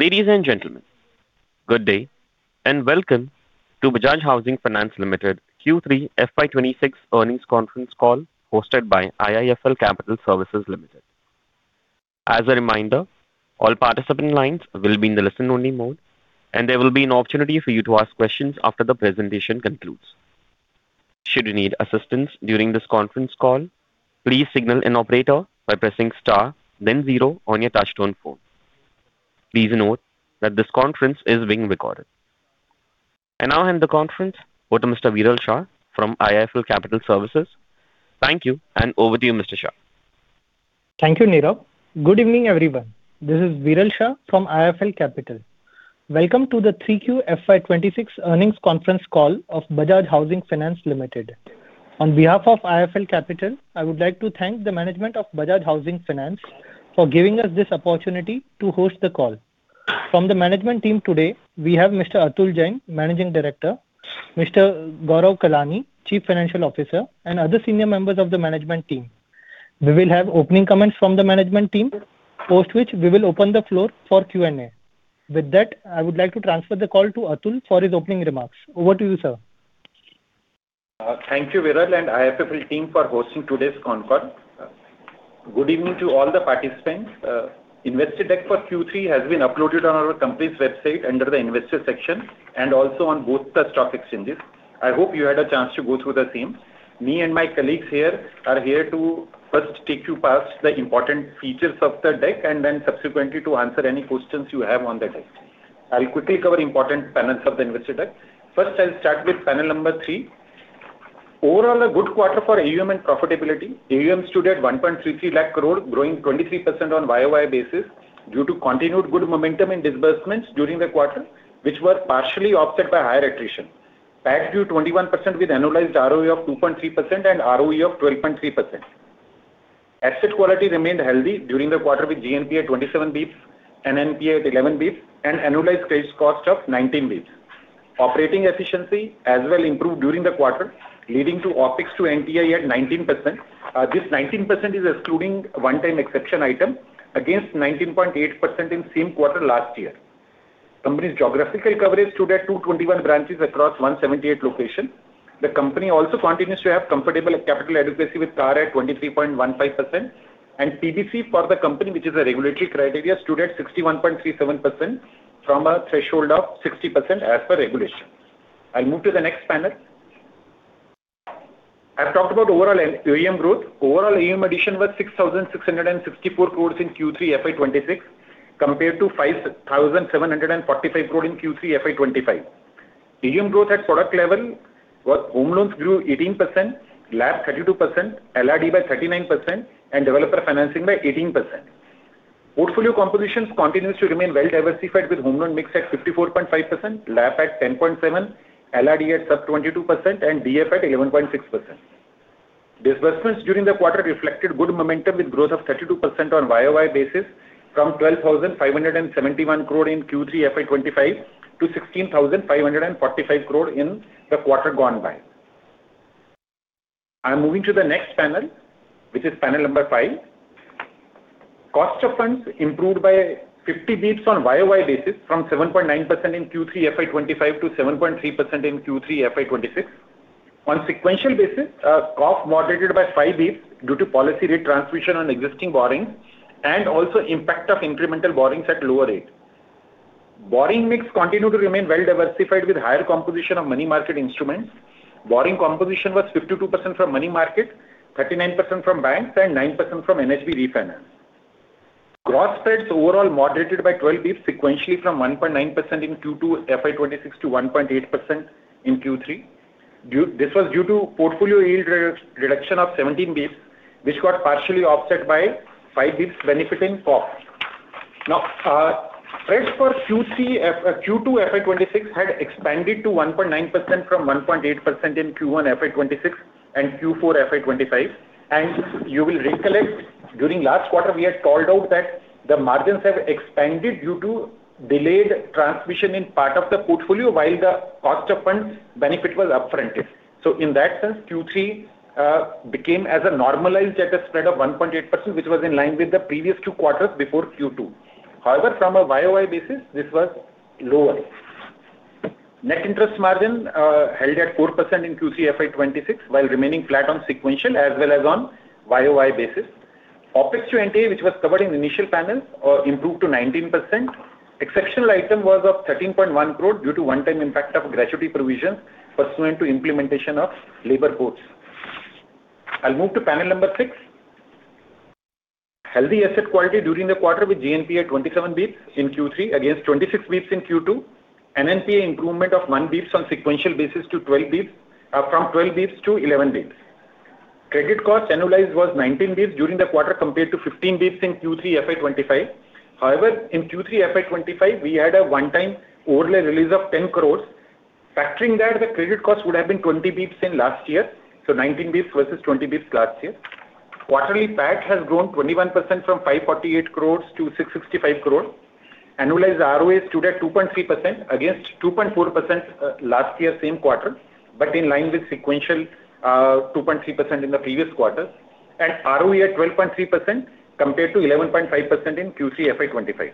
Ladies and gentlemen, good day and welcome to Bajaj Housing Finance Limited Q3 FY 2026 earnings conference call hosted by IIFL Capital Services Limited. As a reminder, all participant lines will be in the listen-only mode, and there will be an opportunity for you to ask questions after the presentation concludes. Should you need assistance during this conference call, please signal an operator by pressing star, then zero on your touch-tone phone. Please note that this conference is being recorded. Now I hand the conference over to Mr. Viral Shah from IIFL Capital Services. Thank you, and over to you, Mr. Shah. Thank you, Neerav. Good evening, everyone. This is Viral Shah from IIFL Capital. Welcome to the 3Q FY 2026 earnings conference call of Bajaj Housing Finance Limited. On behalf of IIFL Capital, I would like to thank the management of Bajaj Housing Finance for giving us this opportunity to host the call. From the management team today, we have Mr. Atul Jain, Managing Director, Mr. Gaurav Kalani, Chief Financial Officer, and other senior members of the management team. We will have opening comments from the management team, post which we will open the floor for Q&A. With that, I would like to transfer the call to Atul for his opening remarks. Over to you, sir. Thank you, Viral, and IIFL team for hosting today's conference. Good evening to all the participants. Investor deck for Q3 has been uploaded on our company's website under the Investor section, and also on both the stock exchanges. I hope you had a chance to go through the same. Me and my colleagues here are here to first take you past the important features of the deck, and then subsequently to answer any questions you have on the deck. I'll quickly cover important panels of the investor deck. First, I'll start with panel number 3. Overall, a good quarter for AUM and profitability. AUM stood at 133,000 crore, growing 23% on YOY basis due to continued good momentum in disbursements during the quarter, which were partially offset by higher attrition. PAT grew 21% with annualized ROA of 2.3% and ROA of 12.3%. Asset quality remained healthy during the quarter with GNP at 27 bps, NNP at 11 bps, and annualized credit cost of 19 bps. Operating efficiency as well improved during the quarter, leading to OPEX to NTI at 19%. This 19% is excluding one-time exception item against 19.8% in the same quarter last year. Company's geographical coverage stood at 221 branches across 178 locations. The company also continues to have comfortable capital adequacy with CAR at 23.15%, and PBC for the company, which is a regulatory criteria, stood at 61.37% from a threshold of 60% as per regulation. I'll move to the next panel. I've talked about overall AUM growth. Overall AUM addition was 6,664 crore in Q3 FY 2026 compared to 5,745 crore in Q3 FY 2025. AUM growth at product level was home loans grew 18%, LAP 32%, LRD by 39%, and developer financing by 18%. Portfolio composition continues to remain well diversified with home loan mix at 54.5%, LAP at 10.7%, LRD at sub-22%, and DF at 11.6%. Disbursements during the quarter reflected good momentum with growth of 32% on YOY basis from 12,571 crore in Q3 FY 2025 to 16,545 crore in the quarter gone by. I'm moving to the next panel, which is panel number 5. Cost of funds improved by 50 bps on YOY basis from 7.9% in Q3 FY 2025 to 7.3% in Q3 FY 2026. On sequential basis, COF moderated by 5 bps due to policy rate transmission on existing borrowings and also impact of incremental borrowings at lower rate. Borrowing mix continued to remain well diversified with higher composition of money market instruments. Borrowing composition was 52% from money market, 39% from banks, and 9% from NHB refinance. Gross spreads overall moderated by 12 bps sequentially from 1.9% in Q2 FY 2026 to 1.8% in Q3. This was due to portfolio yield reduction of 17 bps, which got partially offset by 5 bps benefiting COF. Now, spreads for Q2 FY 2026 had expanded to 1.9% from 1.8% in Q1 FY 2026 and Q4 FY 2025. You will recollect, during last quarter, we had called out that the margins have expanded due to delayed transmission in part of the portfolio while the cost of funds benefit was upfronted. So in that sense, Q3 became a normalized at a spread of 1.8%, which was in line with the previous two quarters before Q2. However, from a YOY basis, this was lower. Net interest margin held at 4% in Q3 FY 2026 while remaining flat on sequential as well as on YOY basis. OPEX to NTI, which was covered in initial panels, improved to 19%. Exceptional item was of 13.1 crore due to one-time impact of gratuity provisions pursuant to implementation of labor codes. I'll move to panel number 6. Healthy asset quality during the quarter with GNP at 27 bps in Q3 against 26 bps in Q2, NNP improvement of 1 bps on sequential basis to 12 bps from 12 bps to 11 bps. Credit cost annualized was 19 bps during the quarter compared to 15 bps in Q3 FY 2025. However, in Q3 FY 2025, we had a one-time overlay release of 10 crore. Factoring that, the credit cost would have been 20 bps in last year, so 19 bps versus 20 bps last year. Quarterly PAT has grown 21% from 548 crore to 665 crore. Annualized ROE stood at 2.3% against 2.4% last year same quarter, but in line with sequential 2.3% in the previous quarter, and ROE at 12.3% compared to 11.5% in Q3 FY 2025.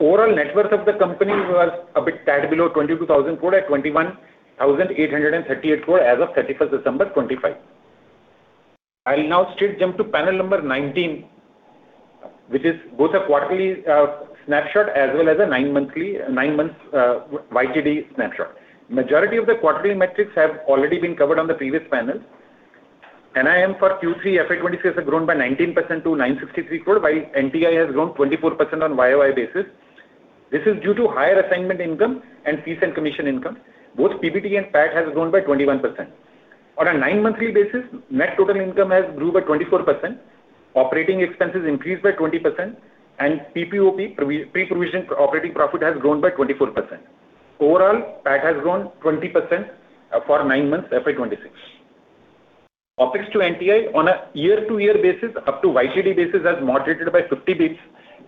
Overall net worth of the company was a bit tad below 22,000 crore at 21,838 crores as of 31st December 2025. I'll now straight jump to panel number 19, which is both a quarterly snapshot as well as a nine-month YTD snapshot. Majority of the quarterly metrics have already been covered on the previous panels. NII for Q3 FY 2026 has grown by 19% to 963 crores, while NTI has grown 24% on YOY basis. This is due to higher assignment income and fees and commission income. Both PBT and PAT have grown by 21%. On a nine-monthly basis, net total income has grew by 24%, operating expenses increased by 20%, and PPOP, pre-provisioned operating profit, has grown by 24%. Overall, PAT has grown 20% for nine months FY 2026. OPEX to NTI on a year-to-year basis, up to YTD basis, has moderated by 50 bps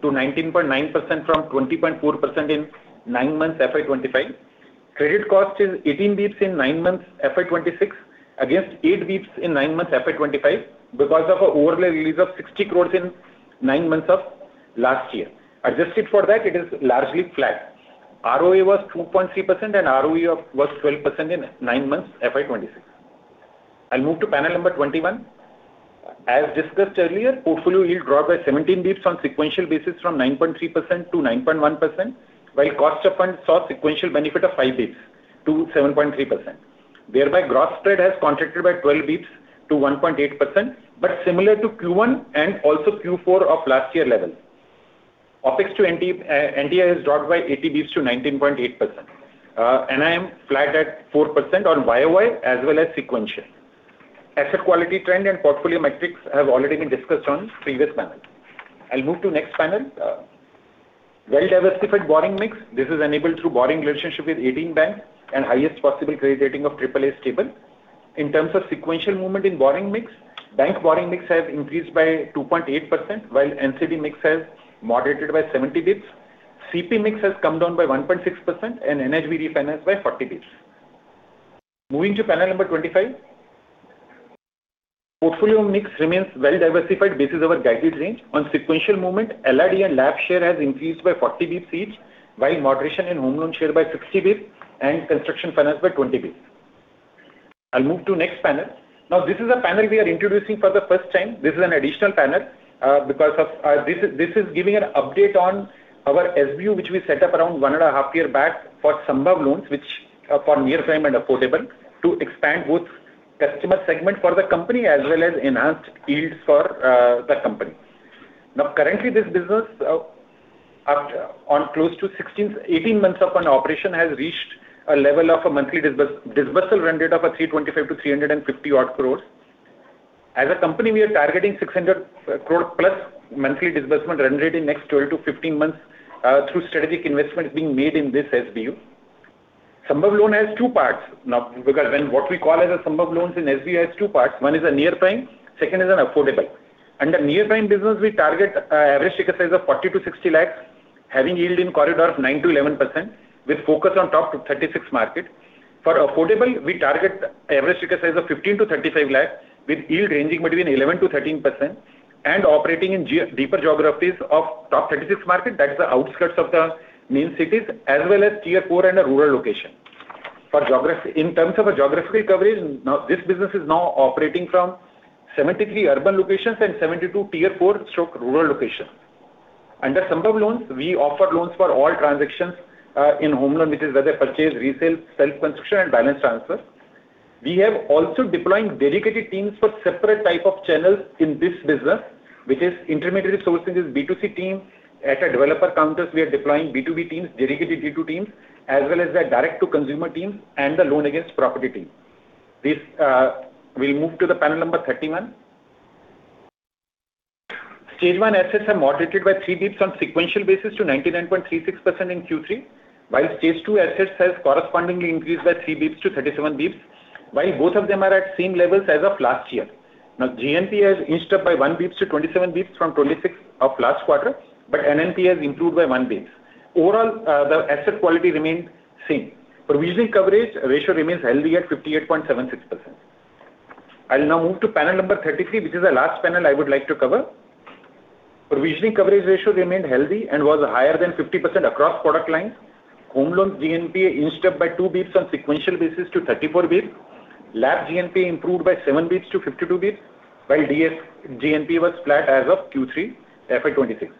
to 19.9% from 20.4% in nine months FY 2025. Credit cost is 18 bps in nine months FY 2026 against 8 bps in nine months FY 2025 because of an overlay release of 60 crore in nine months of last year. Adjusted for that, it is largely flat. ROE was 2.3% and ROE was 12% in nine months FY 2026. I'll move to panel number 21. As discussed earlier, portfolio yield dropped by 17 bps on sequential basis from 9.3% to 9.1%, while cost of funds saw sequential benefit of 5 bps to 7.3%. Thereby, gross spread has contracted by 12 bps to 1.8%, but similar to Q1 and also Q4 of last year levels. OPEX to NTI has dropped by 80 bps to 19.8%. NIM flat at 4% on YOY as well as sequential. Asset quality trend and portfolio metrics have already been discussed on previous panels. I'll move to next panel. Well diversified borrowing mix. This is enabled through borrowing relationship with 18 banks and highest possible credit rating of AAA stable. In terms of sequential movement in borrowing mix, bank borrowing mix has increased by 2.8%, while NCD mix has moderated by 70 bps. CP mix has come down by 1.6% and NHB refinance by 40 bps. Moving to panel number 25. Portfolio mix remains well diversified based on our guided range. On sequential movement, LRD and LAP share has increased by 40 bps each, while moderation in home loan share by 60 bps and construction finance by 20 bps. I'll move to next panel. Now, this is a panel we are introducing for the first time. This is an additional panel because this is giving an update on our SBU, which we set up around one and a half years back for Sambhav loans, which are for Near Prime and affordable, to expand both customer segment for the company as well as enhanced yields for the company. Now, currently, this business, on close to 18 months of operation, has reached a level of a monthly disbursal run rate of 325-350 odd crore. As a company, we are targeting 600 crore-plus monthly disbursement run rate in the next 12-15 months through strategic investments being made in this SBU. Sambhav loan has two parts because what we call Sambhav loans in SBU has two parts. One is a Near Prime. Second is an affordable. Under Near Prime business, we target average ticket size of 40-60 lakhs, having yield in corridor of 9%-11% with focus on top 36 markets. For affordable, we target average ticket size of 15-35 lakhs with yield ranging between 11%-13% and operating in deeper geographies of top 36 markets. That is the outskirts of the main cities as well as Tier 4 and rural locations. In terms of geographical coverage, this business is now operating from 73 urban locations and 72 Tier 4/rural locations. Under Sambhav loans, we offer loans for all transactions in home loan, which is whether purchase, resale, self-construction, and balance transfer. We have also deployed dedicated teams for separate types of channels in this business, which is intermediary sourcing is B2C team. At developer counters, we are deploying B2B teams, dedicated D2C teams, as well as direct-to-consumer teams and the loan-against-property team. We'll move to panel number 31. Stage 1 assets are moderated by 3 bps on sequential basis to 99.36% in Q3, while Stage 2 assets have correspondingly increased by 3 bps to 37 bps, while both of them are at same levels as of last year. Now, GNP has inched up by 1 bp to 27 bps from 26 of last quarter, but NNP has improved by 1 bp. Overall, the asset quality remained same. Provisioning coverage ratio remains healthy at 58.76%. I'll now move to panel number 33, which is the last panel I would like to cover. Provisioning coverage ratio remained healthy and was higher than 50% across product lines. Home loan GNP inched up by 2 bps on sequential basis to 34 bps. LAP GNP improved by 7 bps to 52 bps, while GNP was flat as of Q3 FY 2026.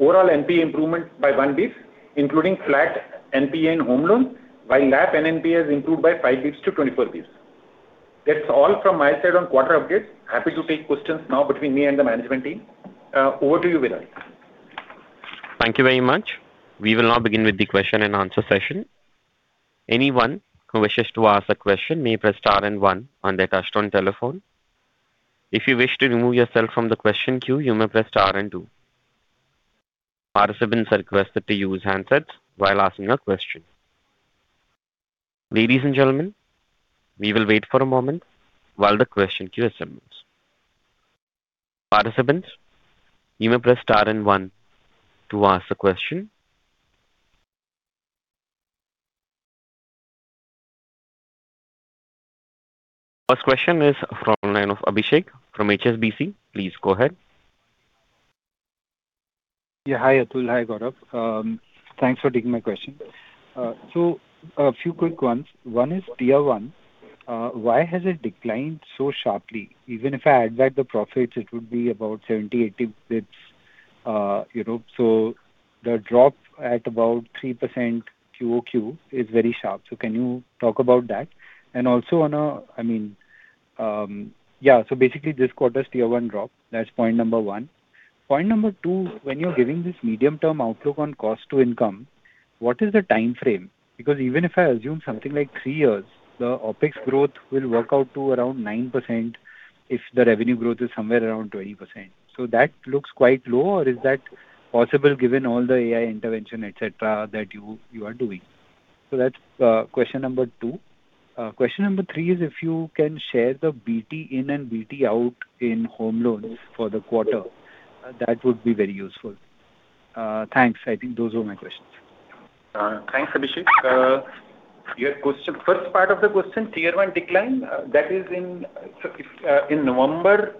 Overall, NP improvement by 1 bp, including flat NP in home loans, while LAP NNP has improved by 5 bps to 24 bps. That's all from my side on quarter updates. Happy to take questions now between me and the management team. Over to you, Viral. Thank you very much. We will now begin with the question and answer session. Anyone who wishes to ask a question may press R and 1 on their touch-tone telephone. If you wish to remove yourself from the question queue, you may press R and 2. Participants are requested to use handset while asking a question. Ladies and gentlemen, we will wait for a moment while the question queue assembles. Participants, you may press R and 1 to ask the question. First question is from Abhishek from HSBC. Please go ahead. Yeah. Hi, Atul. Hi, Gaurav. Thanks for taking my question. So a few quick ones. One is Tier 1. Why has it declined so sharply? Even if I add back the profits, it would be about 70-80 basis points. So the drop at about 3% QOQ is very sharp. So can you talk about that? And also on a, I mean, yeah. So basically, this quarter's Tier 1 drop. That's point number one. Point number two, when you're giving this medium-term outlook on cost to income, what is the time frame? Because even if I assume something like three years, the OpEx growth will work out to around 9% if the revenue growth is somewhere around 20%. So that looks quite low, or is that possible given all the AI intervention, etc., that you are doing? So that's question number 2. Question number 3 is if you can share the BT in and BT out in home loans for the quarter. That would be very useful. Thanks. I think those were my questions. Thanks, Abhishek. First part of the question, Tier 1 decline, that is in November,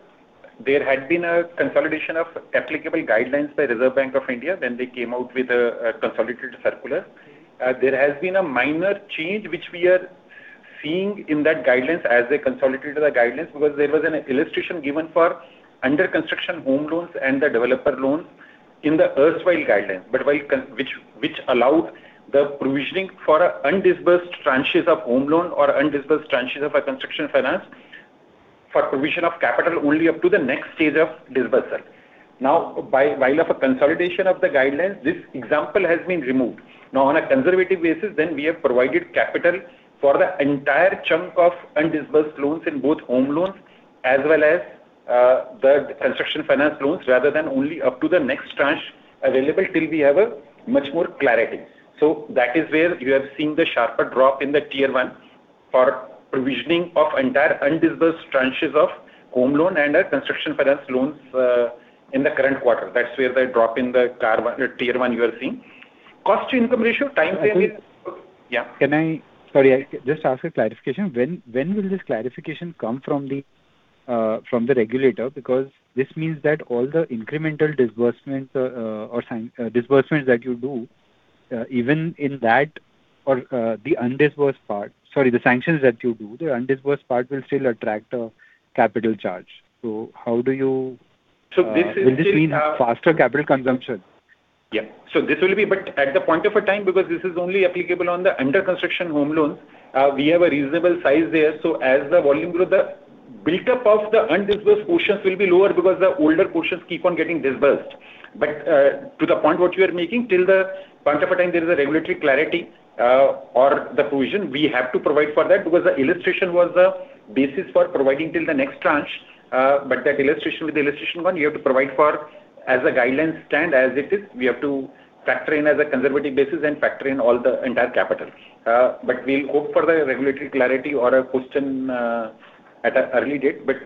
there had been a consolidation of applicable guidelines by Reserve Bank of India. Then they came out with a consolidated circular. There has been a minor change, which we are seeing in those guidelines as they consolidated the guidelines because there was an illustration given for under-construction home loans and the developer loans in the erstwhile guidelines, which allowed the provisioning for undisbursed tranches of home loan or undisbursed tranches of construction finance for provision of capital only up to the next stage of disbursal. Now, while in the consolidation of the guidelines, this example has been removed. Now, on a conservative basis, then we have provided capital for the entire chunk of undisbursed loans in both home loans as well as the construction finance loans rather than only up to the next tranche available till we have much more clarity. So that is where you have seen the sharper drop in the Tier 1 for provisioning of entire undisbursed tranches of home loan and construction finance loans in the current quarter. That's where the drop in the Tier 1 you are seeing. Cost to income ratio, time frame is yeah. Sorry. I just asked a clarification. When will this clarification come from the regulator? Because this means that all the incremental disbursements or disbursements that you do, even in that or the undisbursed part sorry, the sanctions that you do, the undisbursed part will still attract a capital charge. So, how do you view this? Will this mean faster capital consumption? Yeah. So this will be, but at a point in time, because this is only applicable on the under-construction home loans; we have a reasonable size there. So as the volume grows, the buildup of the undisbursed portions will be lower because the older portions keep on getting disbursed. But to the point what you are making, till a point in time there is a regulatory clarity or the provision, we have to provide for that because the illustration was the basis for providing till the next tranche. But that illustration, with the illustration gone, you have to provide for as a guideline stand as it is; we have to factor in as a conservative basis and factor in all the entire capital. But we'll hope for the regulatory clarity or a resolution at an early date. But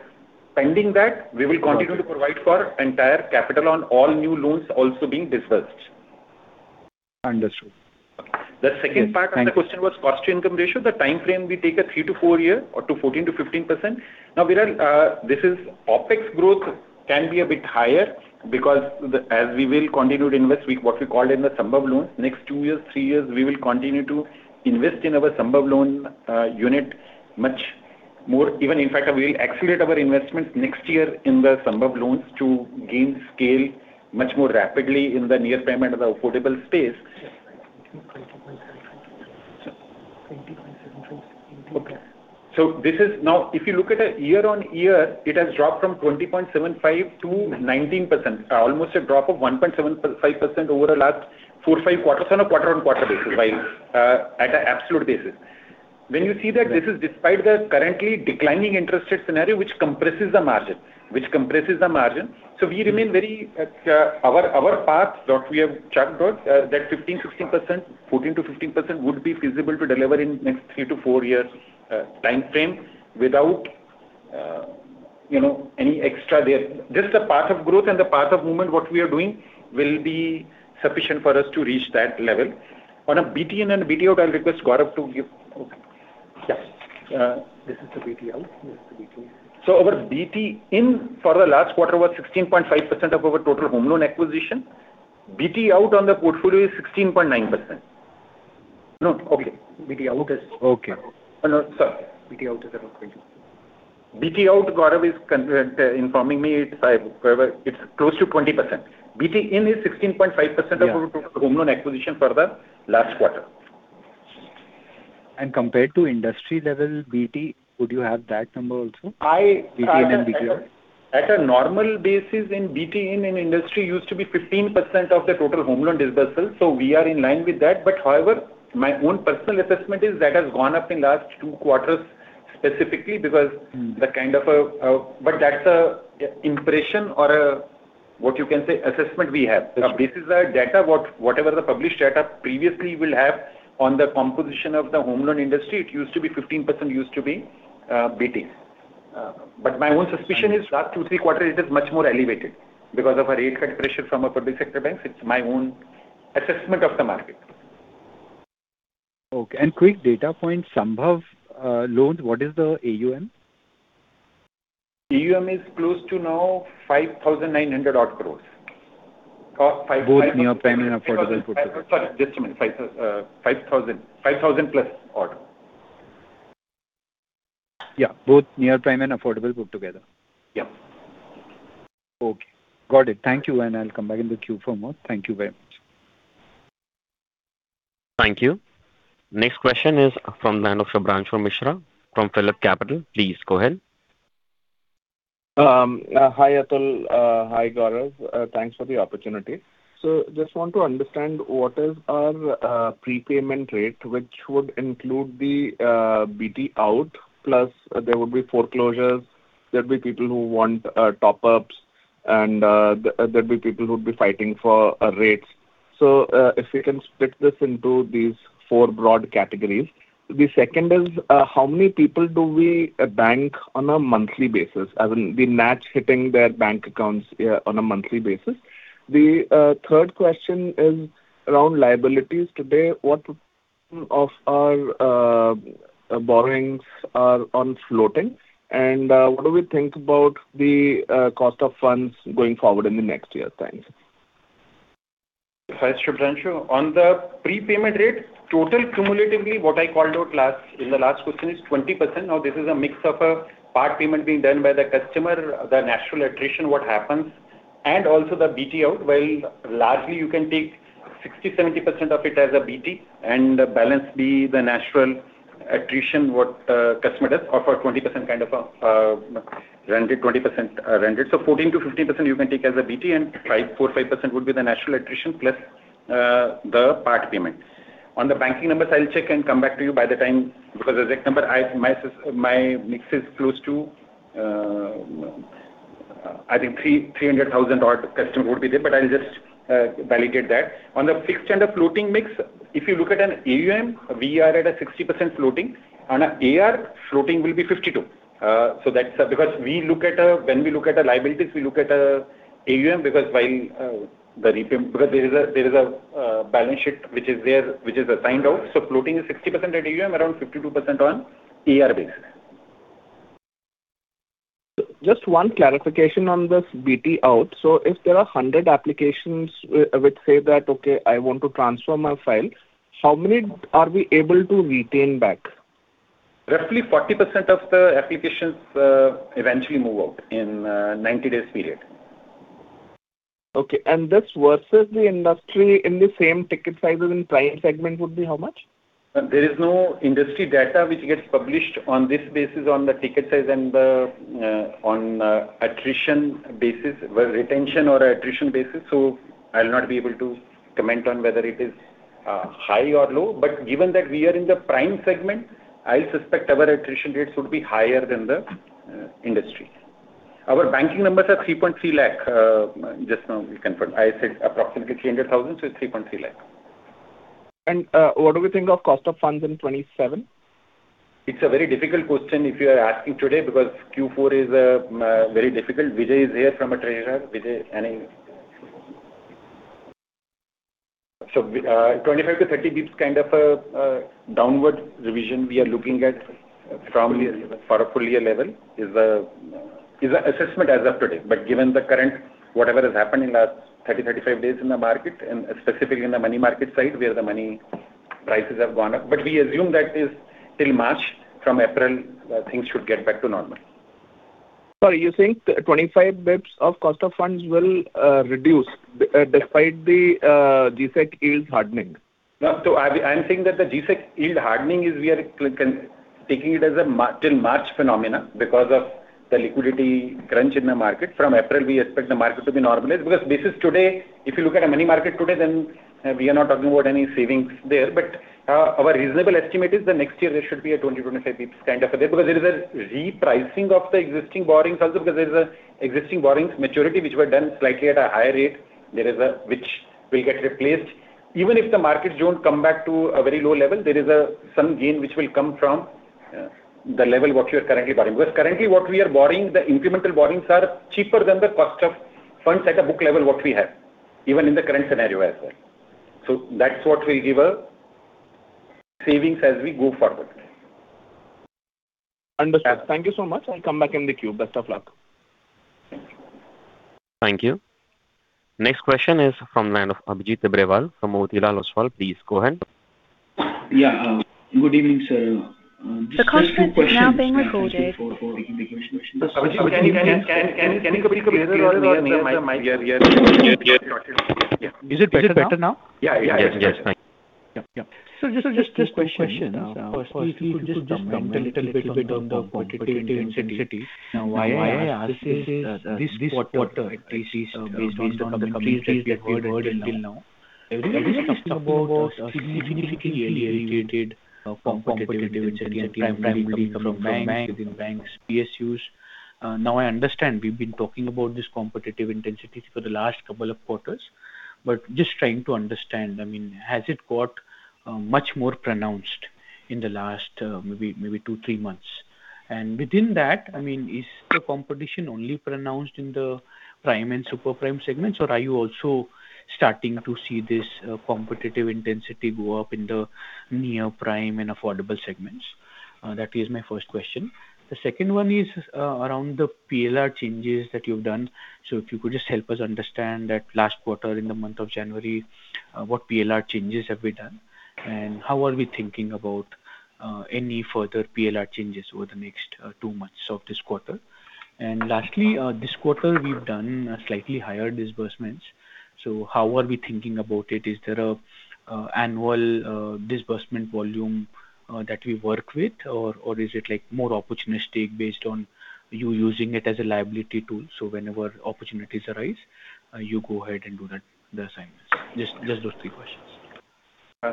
pending that, we will continue to provide for entire capital on all new loans also being disbursed. Understood. The second part of the question was cost to income ratio. The time frame we take a 3-4 year or to 14%-15%. Now, Viral, this is OPEX growth can be a bit higher because as we will continue to invest what we called in the Sambhav loans, next 2 years, 3 years, we will continue to invest in our Sambhav loan unit much more even, in fact, we will accelerate our investments next year in the Sambhav loans to gain scale much more rapidly in the Near Prime and the affordable space. 20.75%. 20.75%. Okay. This is now, if you look at a year-on-year, it has dropped from 20.75% to 19%, almost a drop of 1.75% over the last four, five quarters on a quarter-on-quarter basis while at an absolute basis. When you see that, this is despite the currently declining interest rate scenario, which compresses the margin, which compresses the margin. So we remain very our path, what we have charted, that 15%-16%, 14%-15% would be feasible to deliver in the next three-four years time frame without any extra there. Just the path of growth and the path of movement, what we are doing will be sufficient for us to reach that level. On a BT in and BT out, I'll request Gaurav to give yeah. This is the BT out. This is the BT in. So our BT in for the last quarter was 16.5% of our total home loan acquisition. BT out on the portfolio is 16.9%. No. Okay. BT out is sorry. BT out is around 20%. BT out, Gaurav is informing me. It's close to 20%. BT in is 16.5% of our total home loan acquisition for the last quarter. And compared to industry level BT, would you have that number also? BT in and BT out. At a normal basis, BT in and industry used to be 15% of the total home loan disbursal. So we are in line with that. But however, my own personal assessment is that has gone up in the last two quarters specifically because the kind of a but that's an impression or what you can say assessment we have. This is our data, whatever the published data previously we'll have on the composition of the home loan industry, it used to be 15% used to be BT. But my own suspicion is last two, three quarters, it is much more elevated because of a rate cut pressure from our public sector banks. It's my own assessment of the market. Okay. And quick data point, Sambhav loans, what is the AUM? AUM is close to now 5,900-odd crore. Both near prime and affordable put together. Sorry. Just a minute. 5,000-plus crore. Yeah. Both near prime and affordable put together. Yeah. Okay. Got it. Thank you. And I'll come back in the queue for more. Thank you very much. Thank you. Next question is from the line of Shubhranshu Mishra from PhillipCapital. Please go ahead. Hi, Atul. Hi, Gaurav. Thanks for the opportunity. So just want to understand what is our prepayment rate, which would include the BT out plus there would be foreclosures. There'd be people who want top-ups. And there'd be people who'd be fighting for rates. So if we can split this into these four broad categories. The second is how many people do we bank on a monthly basis? As in the match hitting their bank accounts on a monthly basis. The third question is around liabilities today. What of our borrowings are on floating? And what do we think about the cost of funds going forward in the next year's times? Hi, Shubhranshu. On the prepayment rate, total cumulatively, what I called out in the last question is 20%. Now, this is a mix of a part payment being done by the customer, the natural attrition, what happens, and also the BT out. Well, largely, you can take 60%-70% of it as a BT and balance be the natural attrition what customer does or for 20% kind of a remainder 20% remainder. So 14%-15%, you can take as a BT, and 4%-5% would be the natural attrition plus the part payment. On the banking numbers, I'll check and come back to you by the time because exact number, my mix is close to, I think, 300,000 odd customer would be there, but I'll just validate that. On the fixed and the floating mix, if you look at an AUM, we are at a 60% floating. On an AR, floating will be 52%. So that's because when we look at the liabilities, we look at an AUM because while the repayment because there is a balance sheet which is assigned out. Floating is 60% at AUM, around 52% on AR basis. Just one clarification on this BT out. So if there are 100 applications which say that, "Okay. I want to transfer my file," how many are we able to retain back? Roughly 40% of the applications eventually move out in a 90-day period. Okay. And this versus the industry in the same ticket size as in prime segment would be how much? There is no industry data which gets published on this basis on the ticket size and on attrition basis retention or attrition basis. So I'll not be able to comment on whether it is high or low. But given that we are in the prime segment, I suspect our attrition rates would be higher than the industry. Our banking numbers are 330,000. Just now, we confirmed. I said approximately 300,000. So it's 3.3 lakh. And what do we think of cost of funds in 2027? It's a very difficult question if you are asking today because Q4 is very difficult. Vijay is here from treasury. Vijay, any? So 25-30 bps kind of a downward revision we are looking at from a full-year level is the assessment as of today. But given the current whatever has happened in the last 30-35 days in the market and specifically in the money market side where the money prices have gone up but we assume that is till March. From April, things should get back to normal. Sorry. You think 25 bps of cost of funds will reduce despite the G-Sec yields hardening? No. I'm saying that the G-Sec yield hardening is, we are taking it as a till March phenomenon because of the liquidity crunch in the market. From April, we expect the market to be normalized because this is today. If you look at a money market today, then we are not talking about any savings there. But our reasonable estimate is the next year, there should be a 20-25 bps kind of a day because there is a repricing of the existing borrowings also because there is an existing borrowings maturity which were done slightly at a higher rate which will get replaced. Even if the markets don't come back to a very low level, there is some gain which will come from the level what you are currently borrowing because currently, what we are borrowing, the incremental borrowings are cheaper than the cost of funds at a book level what we have even in the current scenario as well. So that's what will give us savings as we go forward. Understood. Thank you so much. I'll come back in the queue. Best of luck. Thank you. Next question is from the line of Abhijit Tibrewal from Motilal Oswal. Please go ahead. Yeah. Good evening, sir. The call is now being recorded. Can you repeat the measure? Yeah. Is it better now? Yeah. Yeah. Yes. Yes. Thank you. Yeah. Yeah. So just a question. Please just comment a little bit on the competitive insensitivity. Why I ask this is this quarter at least based on the companies that we had heard until now, everyone is talking about significantly elevated competitive intensity and prime coming from banks within banks, PSUs. Now, I understand we've been talking about this competitive intensity for the last couple of quarters. But just trying to understand, I mean, has it got much more pronounced in the last maybe two, three months? And within that, I mean, is the competition only pronounced in the prime and super prime segments? Or are you also starting to see this competitive intensity go up in the near prime and affordable segments? That is my first question. The second one is around the PLR changes that you've done. So if you could just help us understand that last quarter in the month of January, what PLR changes have we done? And how are we thinking about any further PLR changes over the next two months of this quarter? And lastly, this quarter, we've done slightly higher disbursements. So how are we thinking about it? Is there an annual disbursement volume that we work with? Or is it more opportunistic based on you using it as a liability tool? So whenever opportunities arise, you go ahead and do the assignments. Just those three questions.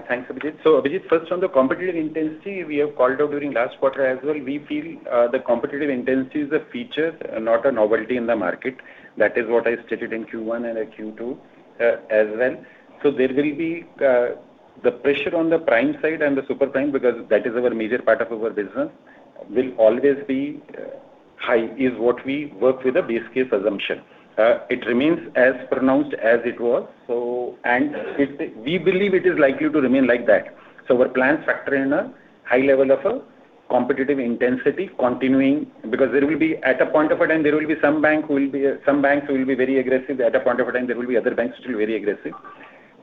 Thanks, Abhijit. So, Abhijit, first on the competitive intensity, we have called out during last quarter as well. We feel the competitive intensity is a feature, not a novelty in the market. That is what I stated in Q1 and Q2 as well. So there will be the pressure on the prime side and the super prime because that is our major part of our business will always be high is what we work with a base case assumption. It remains as pronounced as it was. And we believe it is likely to remain like that. So our plans factor in a high level of a competitive intensity continuing because there will be at a point of a time, there will be some banks who will be very aggressive. At a point of a time, there will be other banks which will be very aggressive.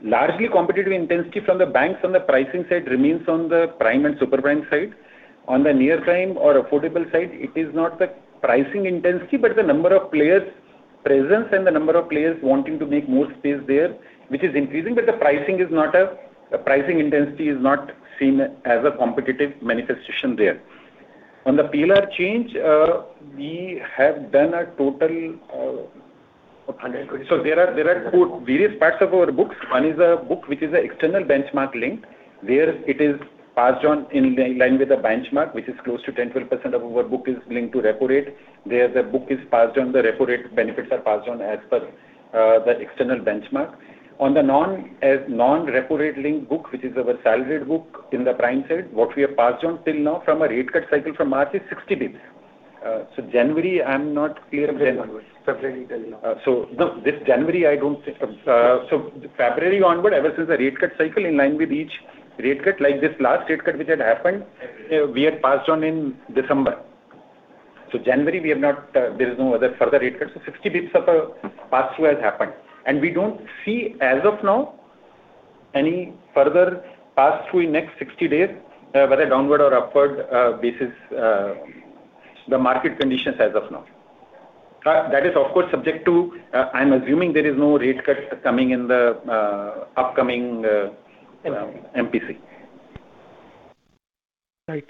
Largely, competitive intensity from the banks on the pricing side remains on the prime and super prime side. On the near prime or affordable side, it is not the pricing intensity but the number of players' presence and the number of players wanting to make more space there which is increasing. But the pricing is not a pricing intensity is not seen as a competitive manifestation there. On the PLR change, we have done a total of 120. So there are various parts of our books. One is a book which is an external benchmark linked where it is passed on in line with the benchmark which is close to 10%-12% of our book is linked to repo rate. There's a book is passed on. The repo rate benefits are passed on as per the external benchmark. On the non-repo rate linked book which is our salaried book in the prime side, what we have passed on till now from a rate cut cycle from March is 60 basis points. So January, I'm not clear when. February, February, till now. So no. This January, I don't think so. February onward, ever since a rate cut cycle in line with each rate cut like this last rate cut which had happened, we had passed on in December. So January, we have not. There is no other further rate cut. So 60 bps of a pass-through has happened. And we don't see as of now any further pass-through in next 60 days whether downward or upward basis the market conditions as of now. That is, of course, subject to. I'm assuming there is no rate cut coming in the upcoming MPC. Right.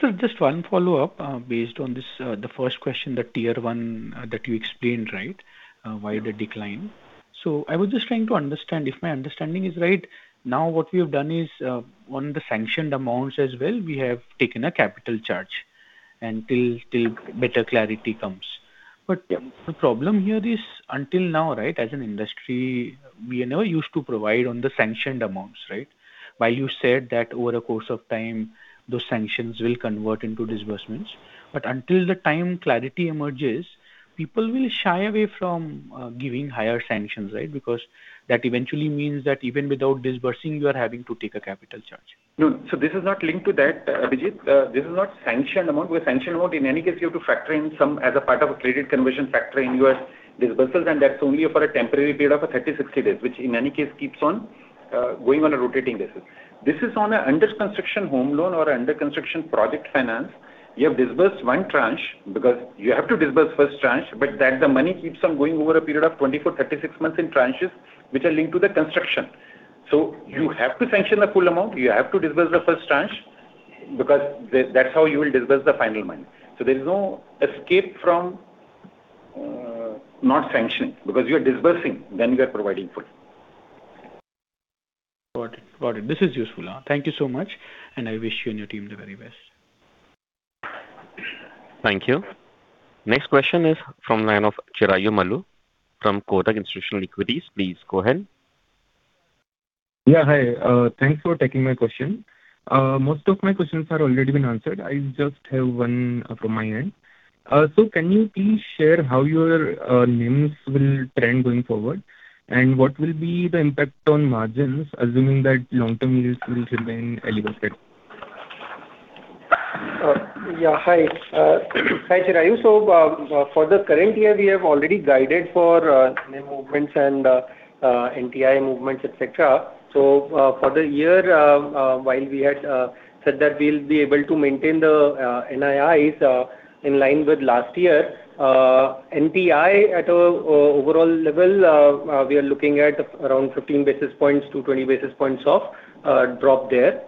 So just one follow-up based on the first question, the Tier 1 that you explained, right, why the decline. So I was just trying to understand if my understanding is right. Now what we have done is on the sanctioned amounts as well, we have taken a capital charge until better clarity comes. But the problem here is until now, right, as an industry, we never used to provide on the sanctioned amounts, right, while you said that over a course of time, those sanctions will convert into disbursements. But until the time clarity emerges, people will shy away from giving higher sanctions, right, because that eventually means that even without disbursing, you are having to take a capital charge. No. So this is not linked to that, Abhijit. This is not sanctioned amount because sanctioned amount, in any case, you have to factor in some as a part of a credit conversion factor in your disbursals. And that's only for a temporary period of 30, 60 days which in any case keeps on going on a rotating basis. This is on an under-construction home loan or under-construction project finance. You have disbursed one tranche because you have to disburse first tranche. But the money keeps on going over a period of 24, 36 months in tranches which are linked to the construction. So you have to sanction the full amount. You have to disburse the first tranche because that's how you will disburse the final money. So there is no escape from not sanctioning because you are disbursing. Then you are providing full. Got it. Got it. This is useful. Thank you so much. And I wish you and your team the very best. Thank you. Next question is from Chirayu Maloo from Kotak Institutional Equities. Please go ahead. Yeah. Hi. Thanks for taking my question. Most of my questions have already been answered. I just have one from my end. So can you please share how your NIMs will trend going forward and what will be the impact on margins assuming that long-term yields will remain elevated? Yeah. Hi. Hi, Chirayu. So for the current year, we have already guided for NIM movements and NTI movements, etc. So for the year, while we had said that we'll be able to maintain the NIIs in line with last year, NTI at an overall level, we are looking at around 15 basis points, 220 basis points off drop there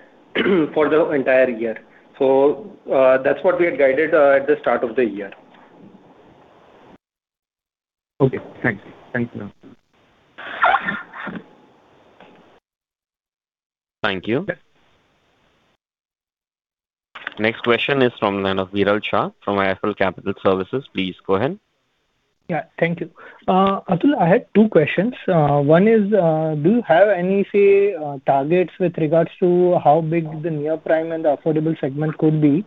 for the entire year. So that's what we had guided at the start of the year. Okay. Thanks. Thanks, Neerav. Thank you. Next question is from the end of Viral Shah from IIFL Capital Services. Please go ahead. Yeah. Thank you. Atul, I had two questions. One is, do you have any, say, targets with regards to how big the near prime and the affordable segment could be,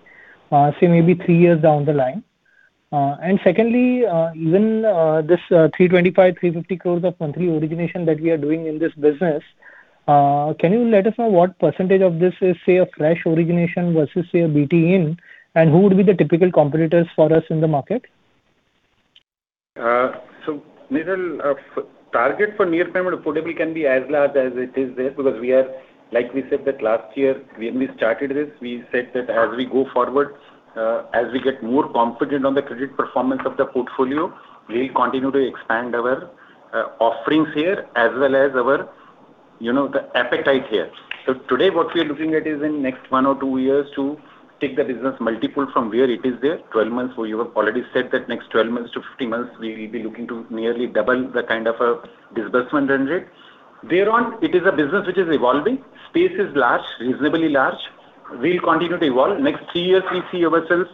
say, maybe three years down the line? And secondly, even this 325-350 crores of monthly origination that we are doing in this business, can you let us know what percentage of this is, say, a fresh origination versus, say, a BT in? And who would be the typical competitors for us in the market? So Viral, target for near prime and affordable can be as large as it is there because we are like we said that last year when we started this, we said that as we go forward, as we get more confident on the credit performance of the portfolio, we'll continue to expand our offerings here as well as the appetite here. So today, what we are looking at is in next 1 or 2 years to take the business multiple from where it is there. 12 months, we have already said that next 12 months to 15 months, we will be looking to nearly double the kind of a disbursement run rate. Thereon, it is a business which is evolving. Space is large, reasonably large. We'll continue to evolve. Next 3 years, we see ourselves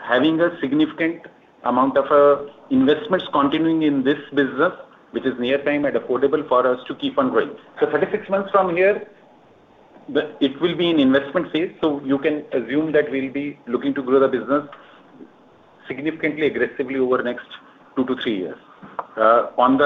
having a significant amount of investments continuing in this business which is near prime and affordable for us to keep on growing. So 36 months from here, it will be in investment phase. So you can assume that we'll be looking to grow the business significantly, aggressively over next 2 to 3 years. On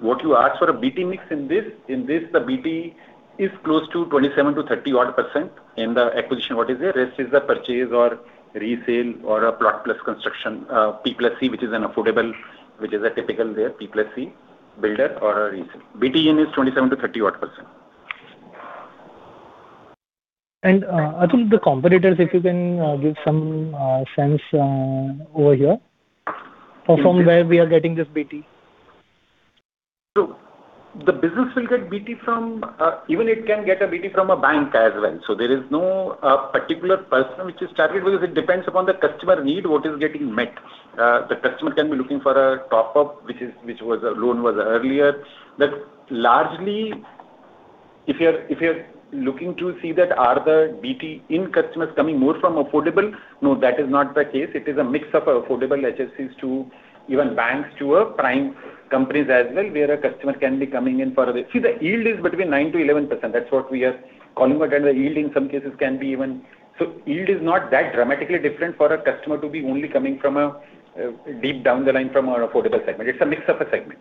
what you asked for, a BT mix in this, the BT is close to 27%-30%-odd in the acquisition what is there. The rest is the purchase or resale or a Plot + construction P+C which is an affordable which is a typical there, P+C builder or a resale. BTIN is 27%-30%-odd. And Atul, the competitors, if you can give some sense over here from where we are getting this BT? So the business will get BT from even it can get a BT from a bank as well. So there is no particular person which is targeted because it depends upon the customer need, what is getting met. The customer can be looking for a top-up which was a loan was earlier. But largely, if you're looking to see that are the BTIN customers coming more from affordable, no, that is not the case. It is a mix of affordable HFCs to even banks to prime companies as well where a customer can be coming in for a see, the yield is between 9%-11%. That's what we are calling out. The yield in some cases can be even so yield is not that dramatically different for a customer to be only coming from deep down the line from an affordable segment. It's a mix of a segment.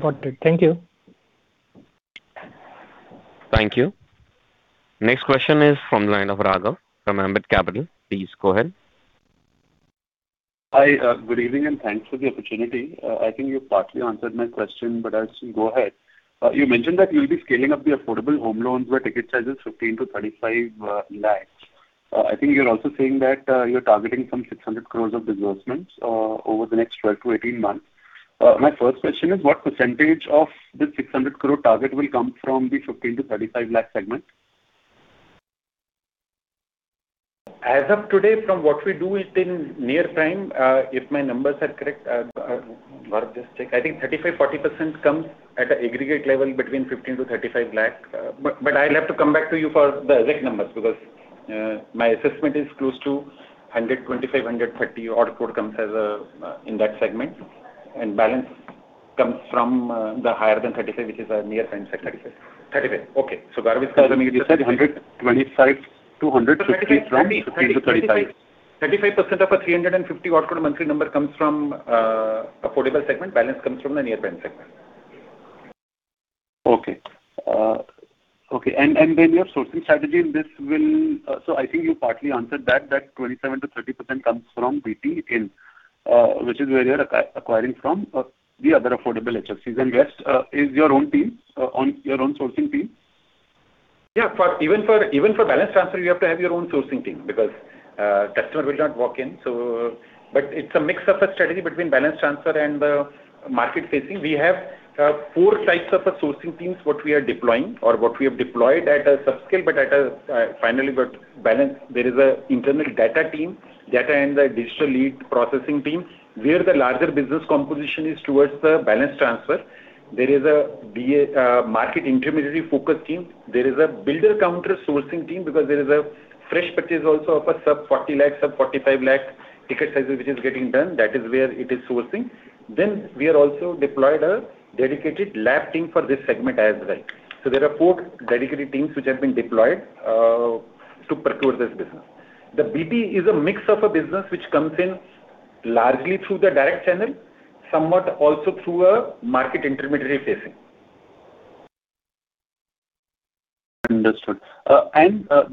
Got it. Thank you. Thank you. Next question is from the line of Raghav Garg from Ambit Capital. Please go ahead. Hi. Good evening. And thanks for the opportunity. I think you've partly answered my question. But I'll go ahead. You mentioned that you'll be scaling up the affordable home loans where ticket size is 15 lakh-35 lakh. I think you're also saying that you're targeting some 600 crore of disbursements over the next 12 to 18 months. My first question is, what percentage of this 600 crore target will come from the 15 lakh-35 lakh segment? As of today, from what we do within near prime, if my numbers are correct, just check, I think 35%-40% comes at an aggregate level between 15 lakh-35 lakh. But I'll have to come back to you for the exact numbers because my assessment is close to 125, 130-odd crore comes in that segment. And balance comes from the higher than 35 which is a near prime segment. 35. 35. Okay. So Gaurav is coming from. You said 125, 250 from 15 to 35. 35% of a 350-odd crore monthly number comes from affordable segment. Balance comes from the near prime segment. Okay. Okay. Then your sourcing strategy in this. Well, so I think you partly answered that. That 27%-30% comes from BT in which is where you're acquiring from the other affordable HFCs. And the rest is your own team on your own sourcing team? Yeah. Even for balance transfer, you have to have your own sourcing team because the customer will not walk in. But it's a mix of a strategy between balance transfer and the market-facing. We have four types of sourcing teams what we are deploying or what we have deployed at a subscale. But finally, there is an internal data team, data, and the digital lead processing team where the larger business composition is towards the balance transfer. There is a market intermediary focus team. There is a builder-counter sourcing team because there is a fresh purchase also of a sub-INR 40 lakh, sub-INR 45 lakh ticket size which is getting done. That is where it is sourcing. Then we have also deployed a dedicated LAP team for this segment as well. So there are four dedicated teams which have been deployed to procure this business. The BT is a mix of a business which comes in largely through the direct channel, somewhat also through a market intermediary facing. Understood.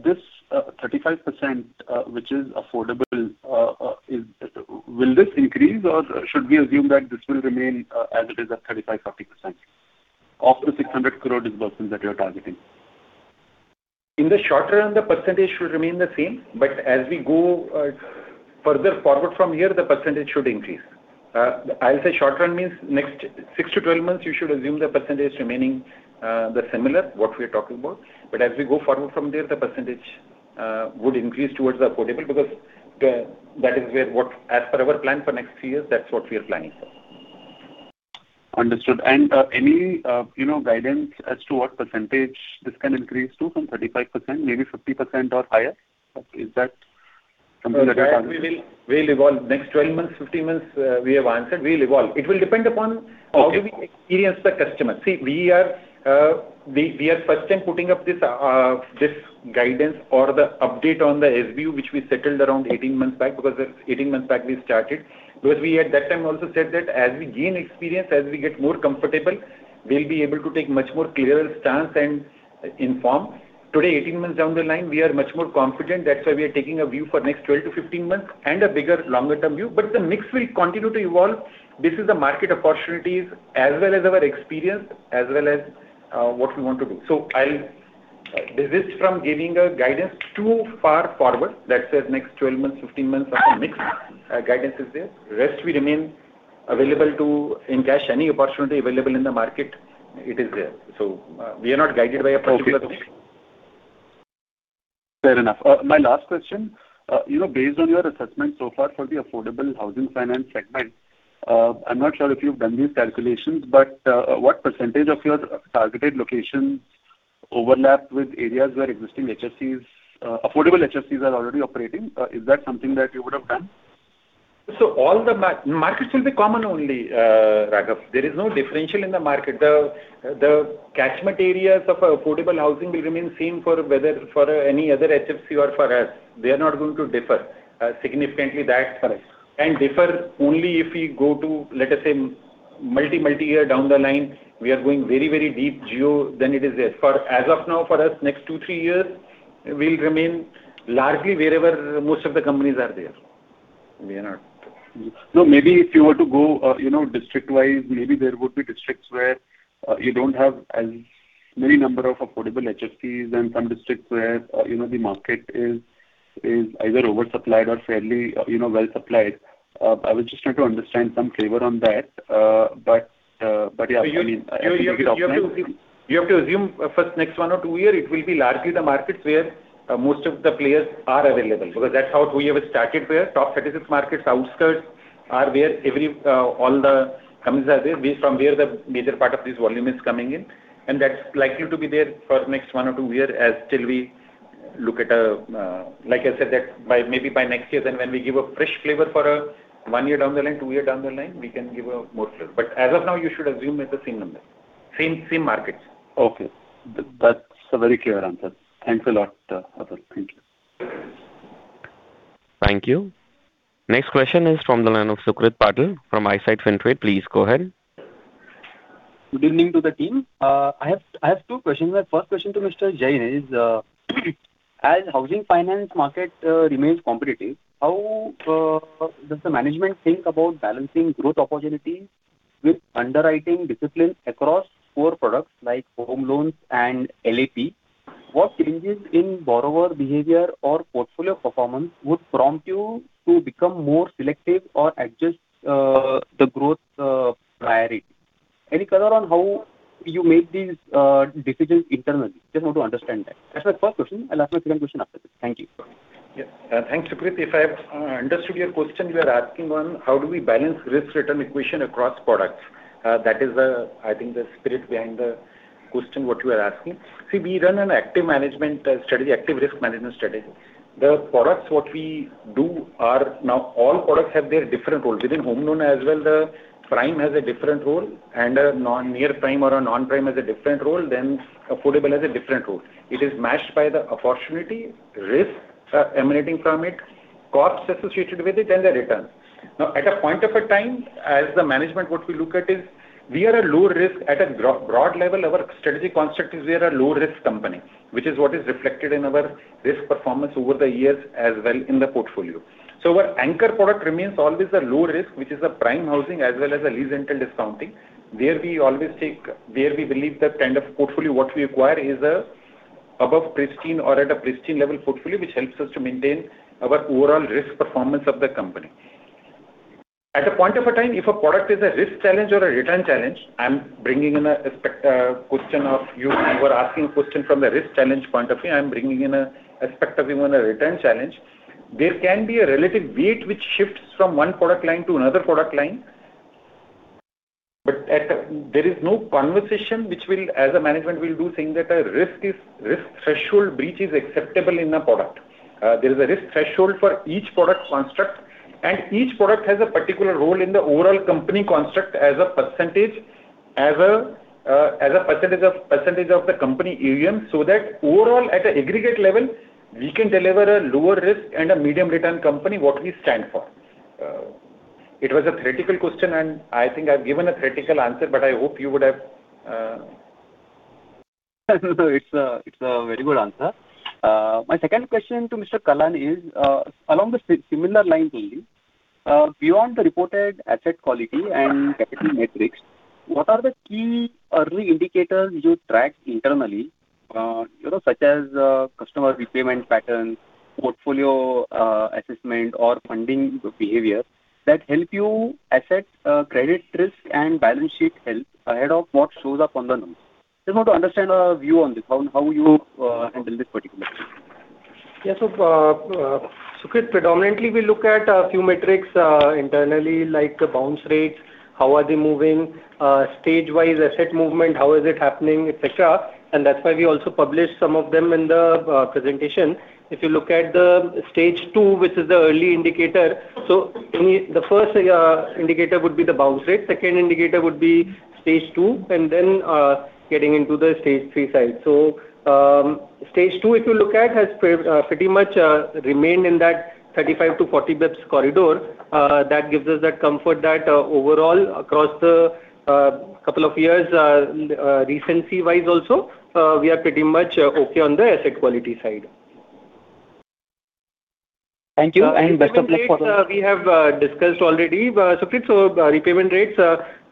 This 35% which is affordable, will this increase or should we assume that this will remain as it is at 35%-40% of the 600 crore disbursements that you're targeting? In the short run, the percentage should remain the same. But as we go further forward from here, the percentage should increase. I'll say short run means next 6-12 months, you should assume the percentage remaining the similar what we are talking about. But as we go forward from there, the percentage would increase towards the affordable because that is where what as per our plan for next three years, that's what we are planning for. Understood. Any guidance as to what percentage this can increase to from 35%, maybe 50%, or higher? Is that something that you're targeting? We'll evolve. Next 12 months, 15 months, we have answered. We'll evolve. It will depend upon how do we experience the customer. See, we are first time putting up this guidance or the update on the SBU which we settled around 18 months back because 18 months back, we started because we at that time also said that as we gain experience, as we get more comfortable, we'll be able to take much more clearer stance and inform. Today, 18 months down the line, we are much more confident. That's why we are taking a view for next 12-15 months and a bigger, longer-term view. But the mix will continue to evolve based on the market opportunities as well as our experience as well as what we want to do. So I'll resist from giving a guidance too far forward. That says next 12 months, 15 months of a mixed guidance is there. Rest, we remain available to encash any opportunity available in the market. It is there. We are not guided by a particular thing. Fair enough. My last question, based on your assessment so far for the affordable housing finance segment, I'm not sure if you've done these calculations. But what percentage of your targeted locations overlap with areas where existing affordable HFCs are already operating? Is that something that you would have done? All the markets will be common only, Raghav. There is no differential in the market. The catchment areas of affordable housing will remain same for any other HFC or for us. They are not going to differ significantly. That can differ only if we go to, let us say, multi, multi-year down the line. We are going very, very deep geo. Then it is there. As of now, for us, next 2, 3 years, we'll remain largely wherever most of the companies are there. We are not. No. Maybe if you were to go district-wise, maybe there would be districts where you don't have as many number of affordable HFCs and some districts where the market is either oversupplied or fairly well-supplied. I would just try to understand some flavor on that. But yeah. I mean, I think you're going to open. You have to assume first next 1 or 2 year, it will be largely the markets where most of the players are available because that's how we have started where. Top 36 markets, outskirts, are where all the companies are there from where the major part of this volume is coming in. And that's likely to be there for next 1 or 2 year as till we look at a like I said, maybe by next year. Then when we give a fresh flavor for one year down the line, two years down the line, we can give more flavor. But as of now, you should assume it's the same numbers, same markets. Okay. That's a very clear answer. Thanks a lot, Atul. Thank you. Thank you. Next question is from the line of Sukrit Patil from Eyesight Fintrade. Please go ahead. Good evening to the team. I have two questions. My first question to Mr. Jain is, as housing finance market remains competitive, how does the management think about balancing growth opportunities with underwriting discipline across core products like home loans and LAP? What changes in borrower behavior or portfolio performance would prompt you to become more selective or adjust the growth priority? Any color on how you make these decisions internally? Just want to understand that. That's my first question. I'll ask my second question after this. Thank you. Yes. Thanks, Sukrit. If I understood your question, you are asking on how do we balance risk-return equation across products. That is, I think, the spirit behind the question, what you are asking. See, we run an active management strategy, active risk management strategy. The products, what we do are now all products have their different roles. Within home loan as well, the prime has a different role. And a near prime or a non-prime has a different role. Then affordable has a different role. It is matched by the opportunity, risk emanating from it, costs associated with it, and the return. Now, at a point of a time, as the management, what we look at is we are a low-risk at a broad level. Our strategy construct is we are a low-risk company which is what is reflected in our risk performance over the years as well in the portfolio. So our anchor product remains always a low-risk which is a prime housing as well as a Lease Rental Discounting. There we always take where we believe that kind of portfolio what we acquire is above pristine or at a pristine level portfolio which helps us to maintain our overall risk performance of the company. At a point of a time, if a product is a risk challenge or a return challenge, I'm bringing in a question of you were asking a question from the risk challenge point of view. I'm bringing in a aspect of even a return challenge. There can be a relative weight which shifts from one product line to another product line. But there is no conversation which will as a management will do saying that a risk threshold breach is acceptable in a product. There is a risk threshold for each product construct. And each product has a particular role in the overall company construct as a percentage of the company AUM so that overall, at an aggregate level, we can deliver a lower-risk and a medium-return company, what we stand for. It was a theoretical question. And I think I've given a theoretical answer. But I hope you would have. No. It's a very good answer. My second question to Mr. Kalani is along the similar lines only, beyond the reported asset quality and capital metrics, what are the key early indicators you track internally such as customer repayment patterns, portfolio assessment, or funding behavior that help you assess credit risk and balance sheet health ahead of what shows up on the notes? Just want to understand our view on this, how you handle this particular thing. Yeah. So Sukrit, predominantly, we look at a few metrics internally like bounce rates, how are they moving, stage-wise asset movement, how is it happening, etc. And that's why we also published some of them in the presentation. If you look at the stage two, which is the early indicator, so the first indicator would be the bounce rate. Second indicator would be stage two. And then getting into the stage three side. So stage two, if you look at, has pretty much remained in that 35 bps-40 bps corridor. That gives us that comfort that overall, across the couple of years, recency-wise also, we are pretty much okay on the asset quality side. Thank you. And best of luck for the. We have discussed already. Sukrit, so repayment rates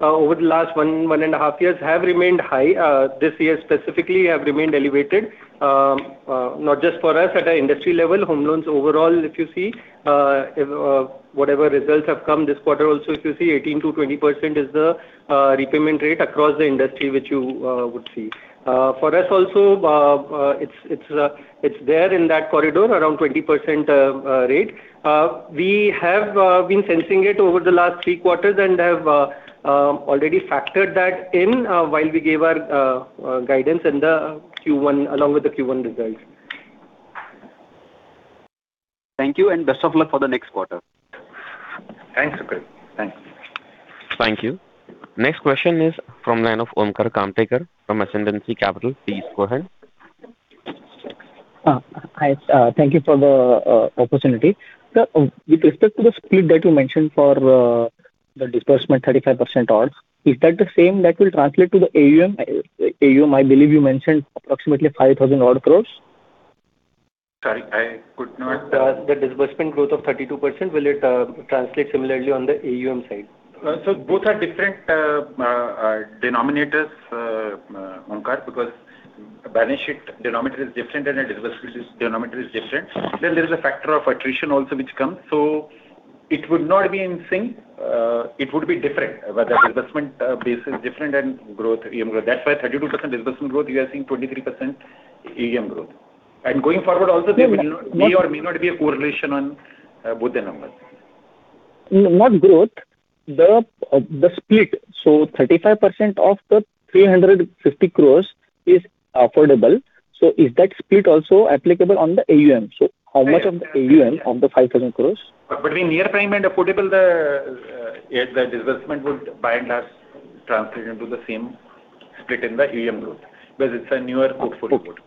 over the last 1.5 years have remained high. This year specifically, have remained elevated not just for us at an industry level. Home loans overall, if you see whatever results have come this quarter also, if you see 18%-20% is the repayment rate across the industry which you would see. For us also, it's there in that corridor around 20% rate. We have been sensing it over the last three quarters and have already factored that in while we gave our guidance along with the Q1 results. Thank you. And best of luck for the next quarter. Thanks, Sukrit. Thanks. Thank you. Next question is from line of Omkar Kamtekar from Ascendancy Capital. Please go ahead. Hi. Thank you for the opportunity. With respect to the split that you mentioned for the disbursement 35% odd, is that the same that will translate to the AUM? I believe you mentioned approximately 5,000 crore. Sorry. I could not. The disbursement growth of 32%, will it translate similarly on the AUM side? So both are different denominators, Omkar, because balance sheet denominator is different and the disbursement denominator is different. Then there is a factor of attrition also which comes. So it would not be in sync. It would be different whether disbursement base is different and growth, AUM growth. That's why 32% disbursement growth, you are seeing 23% AUM growth. And going forward also, there will be or may not be a correlation on both the numbers. Not growth. The split. So 35% of the 350 crore is affordable. So is that split also applicable on the AUM? So how much of the AUM of the 5,000 crore? Between near prime and affordable, the disbursement would by and large translate into the same split in the AUM growth because it's a newer portfolio growth.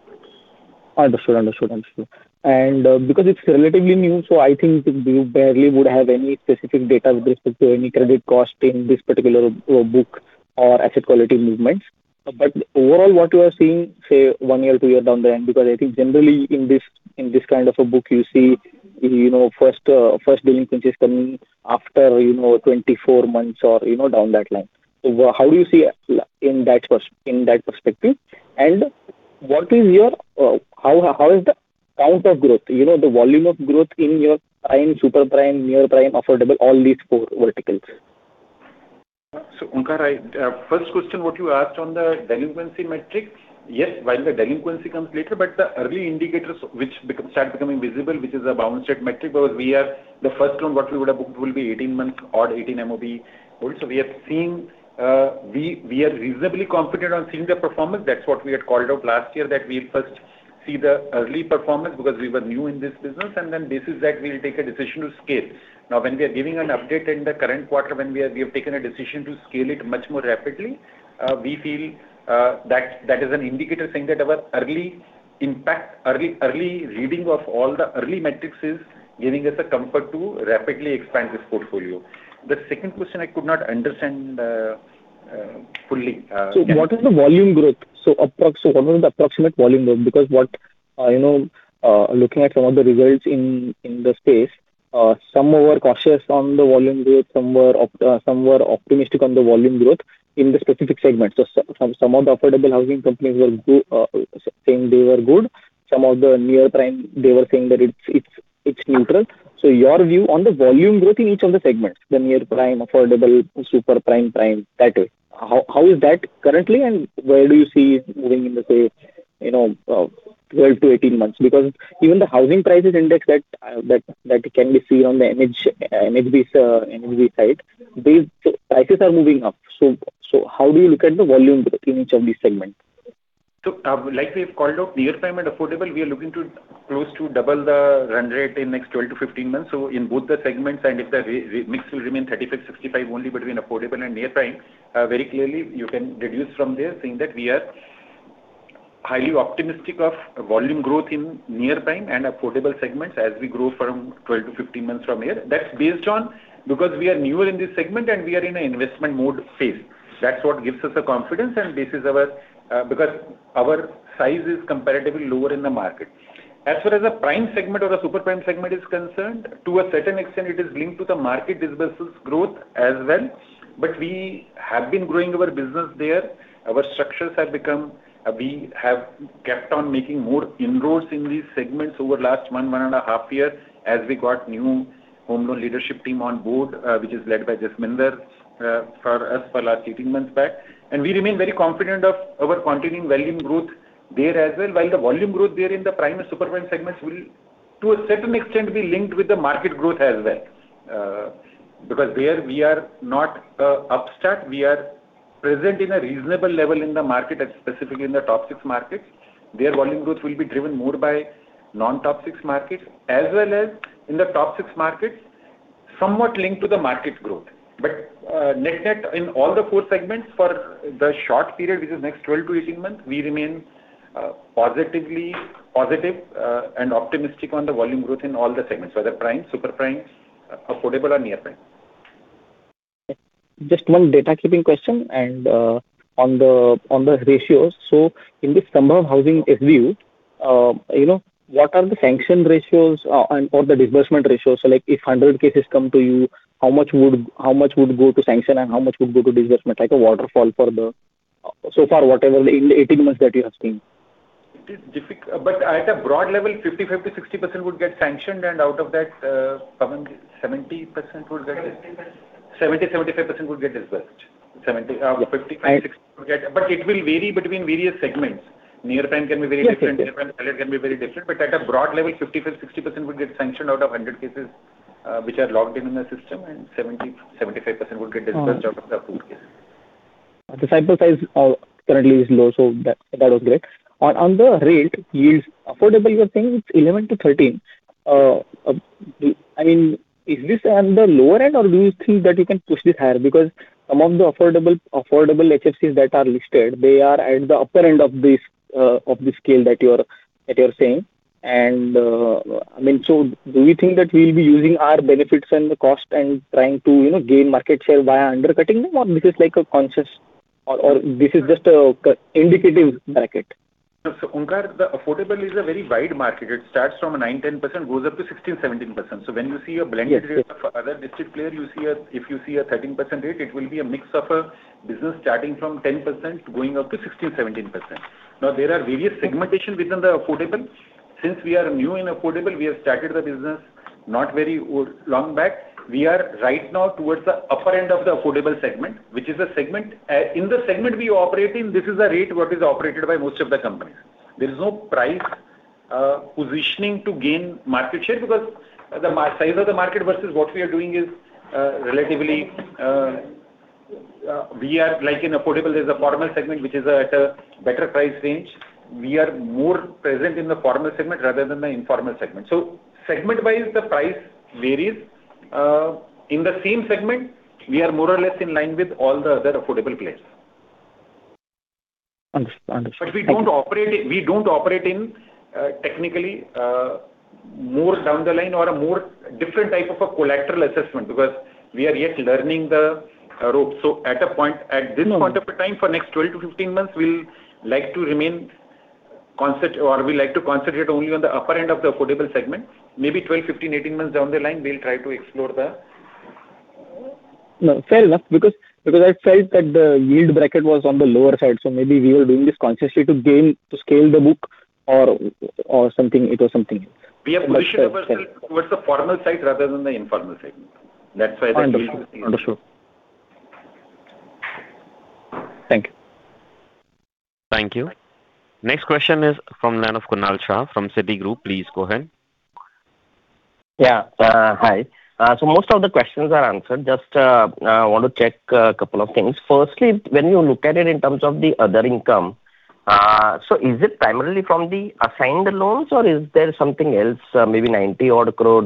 Understood. Understood. Understood. And because it's relatively new, so I think you barely would have any specific data with respect to any credit cost in this particular book or asset quality movements. But overall, what you are seeing, say, one year, two years down the line because I think generally, in this kind of a book, you see first delinquency coming after 24 months or down that line. So how do you see in that perspective? And what is your how is the count of growth, the volume of growth in your prime, superprime, near prime, affordable, all these four verticals? So Omkar, first question, what you asked on the delinquency metric, yes, while the delinquency comes later. But the early indicators which start becoming visible, which is a bounce rate metric because we are the first loan what we would have booked will be 18 months odd, 18 MOB. Also, we are seeing we are reasonably confident on seeing the performance. That's what we had called out last year that we'll first see the early performance because we were new in this business. Then based on that, we'll take a decision to scale. Now, when we are giving an update in the current quarter, when we have taken a decision to scale it much more rapidly, we feel that is an indicator saying that our early reading of all the early metrics is giving us a comfort to rapidly expand this portfolio. The second question, I could not understand fully. So what is the volume growth? So what was the approximate volume growth? Because looking at some of the results in the space, some were cautious on the volume growth. Some were optimistic on the volume growth in the specific segments. So some of the affordable housing companies were saying they were good. Some of the near prime, they were saying that it's neutral. So your view on the volume growth in each of the segments, the near prime, affordable, superprime, prime, that way, how is that currently? And where do you see it moving in the, say, 12-18 months? Because even the housing prices index that can be seen on the NHB side, the prices are moving up. So how do you look at the volume growth in each of these segments? So like we have called out, near prime and affordable, we are looking close to double the run rate in next 12-15 months. So in both the segments and if the mix will remain 35-65 only between affordable and near prime, very clearly, you can deduce from there saying that we are highly optimistic of volume growth in near prime and affordable segments as we grow from 12-15 months from here. That's based on because we are newer in this segment and we are in an investment mode phase. That's what gives us a confidence and basis our because our size is comparatively lower in the market. As far as a prime segment or a superprime segment is concerned, to a certain extent, it is linked to the market disbursements growth as well. But we have been growing our business there. We have kept on making more inroads in these segments over last 1, 1.5 year as we got new home loan leadership team on board, which is led by Jasminder for us for last 18 months back. We remain very confident of our continuing volume growth there as well. While the volume growth there in the prime and superprime segments will, to a certain extent, be linked with the market growth as well because there, we are not upstart. We are present in a reasonable level in the market, specifically in the top six markets. There, volume growth will be driven more by non-top six markets as well as in the top six markets somewhat linked to the market growth. But net-net, in all the four segments for the short period, which is next 12-18 months, we remain positively positive and optimistic on the volume growth in all the segments, whether prime, superprime, affordable, or near prime. Just one data-keeping question and on the ratios. So in this Sambhav Housing SBU, what are the sanction ratios or the disbursement ratios? So if 100 cases come to you, how much would go to sanction and how much would go to disbursement, like a waterfall for the so far, whatever in the 18 months that you have seen? But at a broad level, 55%-60% would get sanctioned. And out of that, 70% would get 70, 75% would get disbursed. 55, 60 would get but it will vary between various segments. Near prime can be very different. Near prime hit rate can be very different. But at a broad level, 55%-60% would get sanctioned out of 100 cases which are logged in the system. And 75% would get disbursed out of the approved cases. The sample size currently is low. So that was great. On the rate yields, affordable, you are saying it's 11%-13%. I mean, is this on the lower end, or do you think that you can push this higher? Because some of the affordable HFCs that are listed, they are at the upper end of the scale that you are saying. And I mean, so do you think that we'll be using our benefits and the cost and trying to gain market share via undercutting them, or this is like a conscious or this is just an indicative bracket? So Omkar, the affordable is a very wide market. It starts from 9%-10%, goes up to 16%-17%. So when you see a blended rate of other listed player, if you see a 13% rate, it will be a mix of a business starting from 10% going up to 16%-17%. Now, there are various segments within the affordable. Since we are new in affordable, we have started the business not very long back. We are right now towards the upper end of the affordable segment, which is a segment in the segment we operate in. This is the rate what is operated by most of the companies. There is no price positioning to gain market share because the size of the market versus what we are doing is relatively we are like in affordable. There's a formal segment which is at a better price range. We are more present in the formal segment rather than the informal segment. So segment-wise, the price varies. In the same segment, we are more or less in line with all the other affordable players. Understood. Understood. But we don't operate in technically more down the line or a more different type of a collateral assessment because we are yet learning the ropes. So at a point, at this point of time, for next 12-15 months, we'll like to remain or we like to concentrate only on the upper end of the affordable segment. Maybe 12, 15, 18 months down the line, we'll try to explore the. No. Fair enough because I felt that the yield bracket was on the lower side. So maybe we were doing this consciously to scale the book or something. It was something else. We have positioned ourselves towards the formal side rather than the informal segment. That's why the yield was. Understood. Understood. Thank you. Thank you. Next question is from line of Kunal Shah from Citigroup. Please go ahead. Yeah. Hi. So most of the questions are answered. Just want to check a couple of things. Firstly, when you look at it in terms of the other income, so is it primarily from the assigned loans, or is there something else, maybe 90-odd crore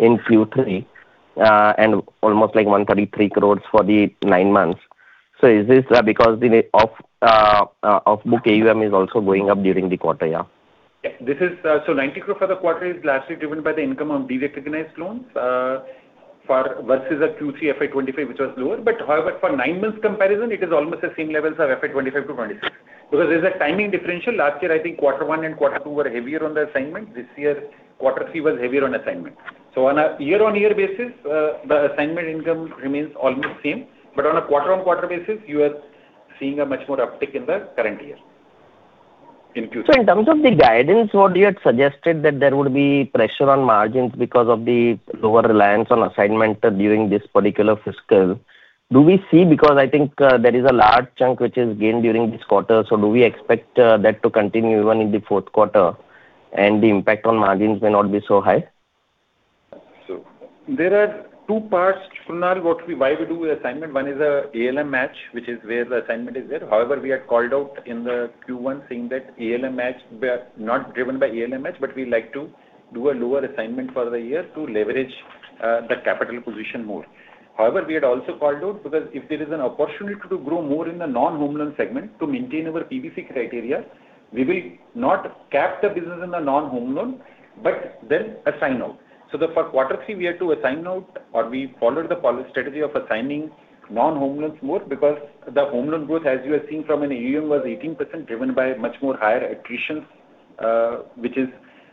in Q3 and almost like 133 crore for the nine months? So is this because the off-book AUM is also going up during the quarter? Yeah. Yeah. So 90 crore for the quarter is largely driven by the income of derecognized loans versus a Q3 FY 2025 which was lower. However, for 9 months comparison, it is almost the same levels of FY 2025 to 2026 because there's a timing differential. Last year, I think quarter one and quarter two were heavier on the assignment. This year, quarter three was heavier on assignment. So on a year-over-year basis, the assignment income remains almost same. But on a quarter-over-quarter basis, you are seeing a much more uptick in the current year in Q3. So in terms of the guidance, what you had suggested that there would be pressure on margins because of the lower reliance on assignment during this particular fiscal, do we see because I think there is a large chunk which is gained during this quarter. So do we expect that to continue even in the fourth quarter and the impact on margins may not be so high? So there are two parts, Kunal, why we do assignment. One is the ALM match, which is where the assignment is there. However, we had called out in the Q1 saying that ALM match not driven by ALM match, but we like to do a lower assignment for the year to leverage the capital position more. However, we had also called out because if there is an opportunity to grow more in the non-home loan segment to maintain our PBC criteria, we will not cap the business in the non-home loan but then assign out. So for quarter three, we had to assign out, or we followed the policy strategy of assigning non-home loans more because the home loan growth, as you have seen from an AUM, was 18% driven by much more higher attrition, which is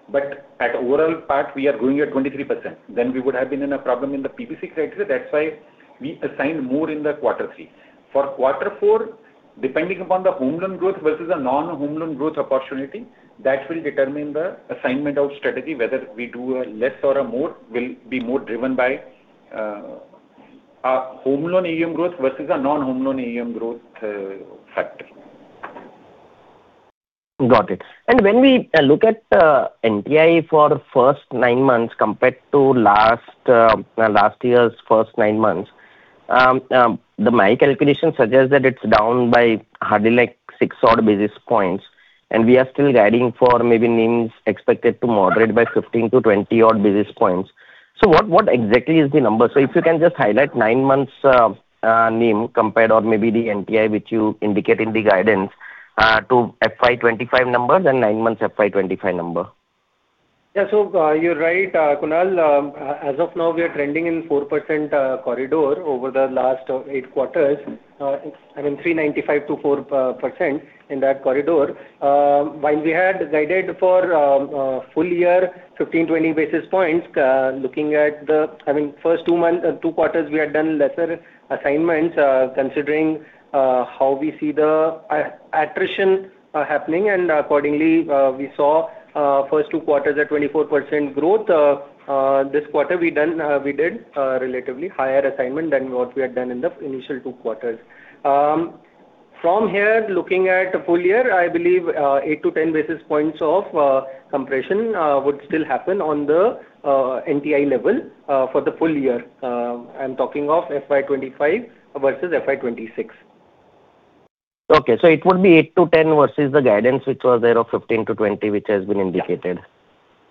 but at overall part, we are going at 23%. Then we would have been in a problem in the PBC criteria. That's why we assigned more in the quarter three. For quarter four, depending upon the home loan growth versus a non-home loan growth opportunity, that will determine the assignment out strategy, whether we do less or a more will be more driven by our home loan AUM growth versus a non-home loan AUM growth factor. Got it. And when we look at NTI for first nine months compared to last year's first nine months, the my calculation suggests that it's down by hardly like 6 odd basis points. And we are still guiding for maybe NIMs expected to moderate by 15-20 odd basis points. So what exactly is the number? So if you can just highlight nine months NIM compared or maybe the NTI which you indicate in the guidance to FY 2025 numbers and nine months FY 2025 number. Yeah. So you're right, Kunal. As of now, we are trending in 4% corridor over the last 8 quarters. I mean, 3.95-4% in that corridor. While we had guided for full year 15-20 basis points, looking at the I mean, first two quarters, we had done lesser assignments considering how we see the attrition happening. Accordingly, we saw first two quarters at 24% growth. This quarter, we did relatively higher assignment than what we had done in the initial two quarters. From here, looking at full year, I believe 8-10 basis points of compression would still happen on the NTI level for the full year. I'm talking of FY 2025 versus FY 2026. Okay. So it would be 8-10 versus the guidance which was there of 15-20 which has been indicated.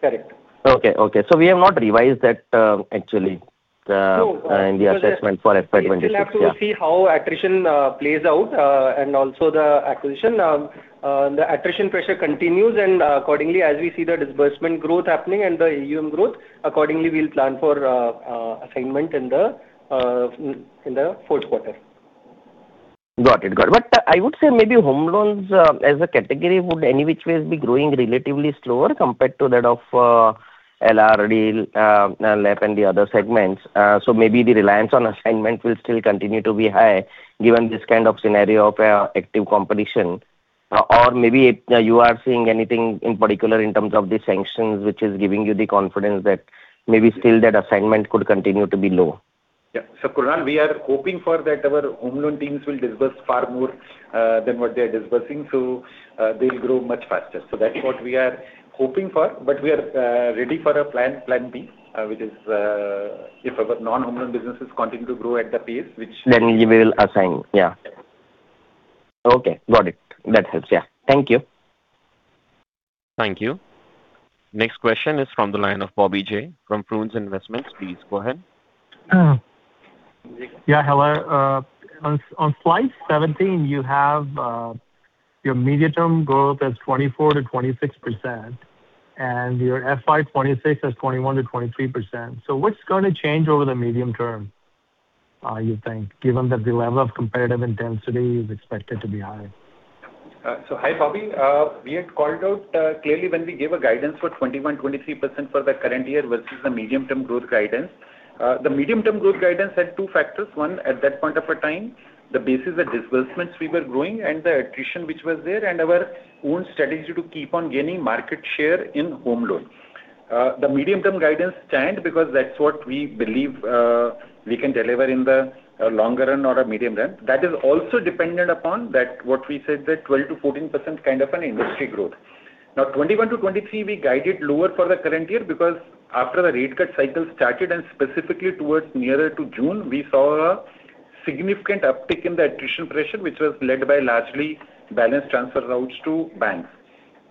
Correct. Okay. Okay. So we have not revised that, actually, in the assessment for FY 2026. Yeah. So we'll have to see how attrition plays out and also the acquisition. The attrition pressure continues. Accordingly, as we see the disbursement growth happening and the AUM growth, accordingly, we'll plan for assignment in the fourth quarter. Got it. Got it. But I would say maybe home loans as a category would, in which ways, be growing relatively slower compared to that of LRD, LAP, and the other segments. So maybe the reliance on assignment will still continue to be high given this kind of scenario of active competition. Or maybe you are seeing anything in particular in terms of the sanctions which is giving you the confidence that maybe still that assignment could continue to be low. Yeah. So Kunal, we are hoping for that our home loan teams will disburse far more than what they are disbursing. So they'll grow much faster. So that's what we are hoping for. But we are ready for a plan, plan B, which is if our non-home loan businesses continue to grow at the pace, which. Then we will assign. Yeah. Okay. Got it. That helps. Yeah. Thank you. Thank you. Next question is from the line of Bobby Jayaraman from Frunze Investments. Please go ahead. Yeah. Hello. On slide 17, you have your medium term growth as 24%-26%, and your FY 2026 as 21%-23%. So what's going to change over the medium term, you think, given that the level of competitive intensity is expected to be high? So hi, Bobby. We had called out clearly when we gave a guidance for 21%-23% for the current year versus the medium term growth guidance. The medium term growth guidance had two factors. One, at that point of time, the basis of disbursements we were growing and the attrition which was there and our own strategy to keep on gaining market share in home loan. The medium term guidance stand because that's what we believe we can deliver in the longer run or a medium run. That is also dependent upon what we said, the 12%-14% kind of an industry growth. Now, 21%-23%, we guided lower for the current year because after the rate cut cycle started and specifically towards nearer to June, we saw a significant uptick in the attrition pressure which was led by largely balance transfer routes to banks.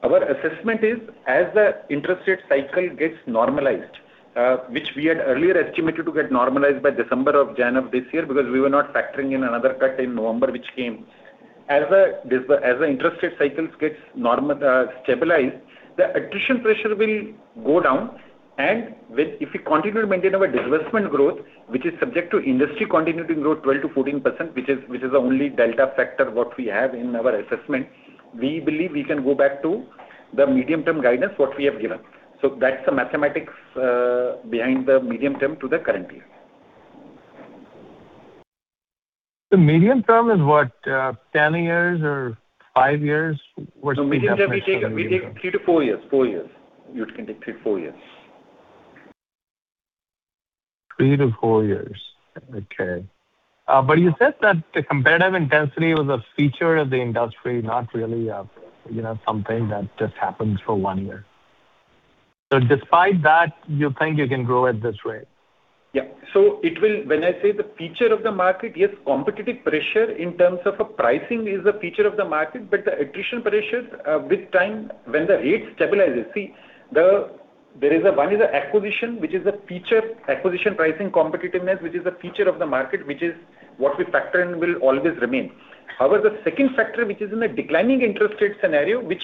Our assessment is as the interest rate cycle gets normalized, which we had earlier estimated to get normalized by December or January of this year because we were not factoring in another cut in November which came. As the interest rate cycles get stabilized, the attrition pressure will go down. If we continue to maintain our disbursement growth, which is subject to industry continuity growth 12%-14%, which is the only delta factor what we have in our assessment, we believe we can go back to the medium term guidance what we have given. So that's the mathematics behind the medium term to the current year. The medium term is what, 10 years or 5 years? What's the mathematics? Medium term, we take 3-4 years. 4 years. You can take 3-4 years. 3-4 years. Okay. But you said that the competitive intensity was a feature of the industry, not really something that just happens for one year. So despite that, you think you can grow at this rate? Yeah. So when I say the feature of the market, yes, competitive pressure in terms of pricing is a feature of the market. But the attrition pressure with time, when the rate stabilizes see, there is one is acquisition which is a feature, acquisition pricing competitiveness which is a feature of the market which is what we factor in will always remain. However, the second factor which is in a declining interest rate scenario, which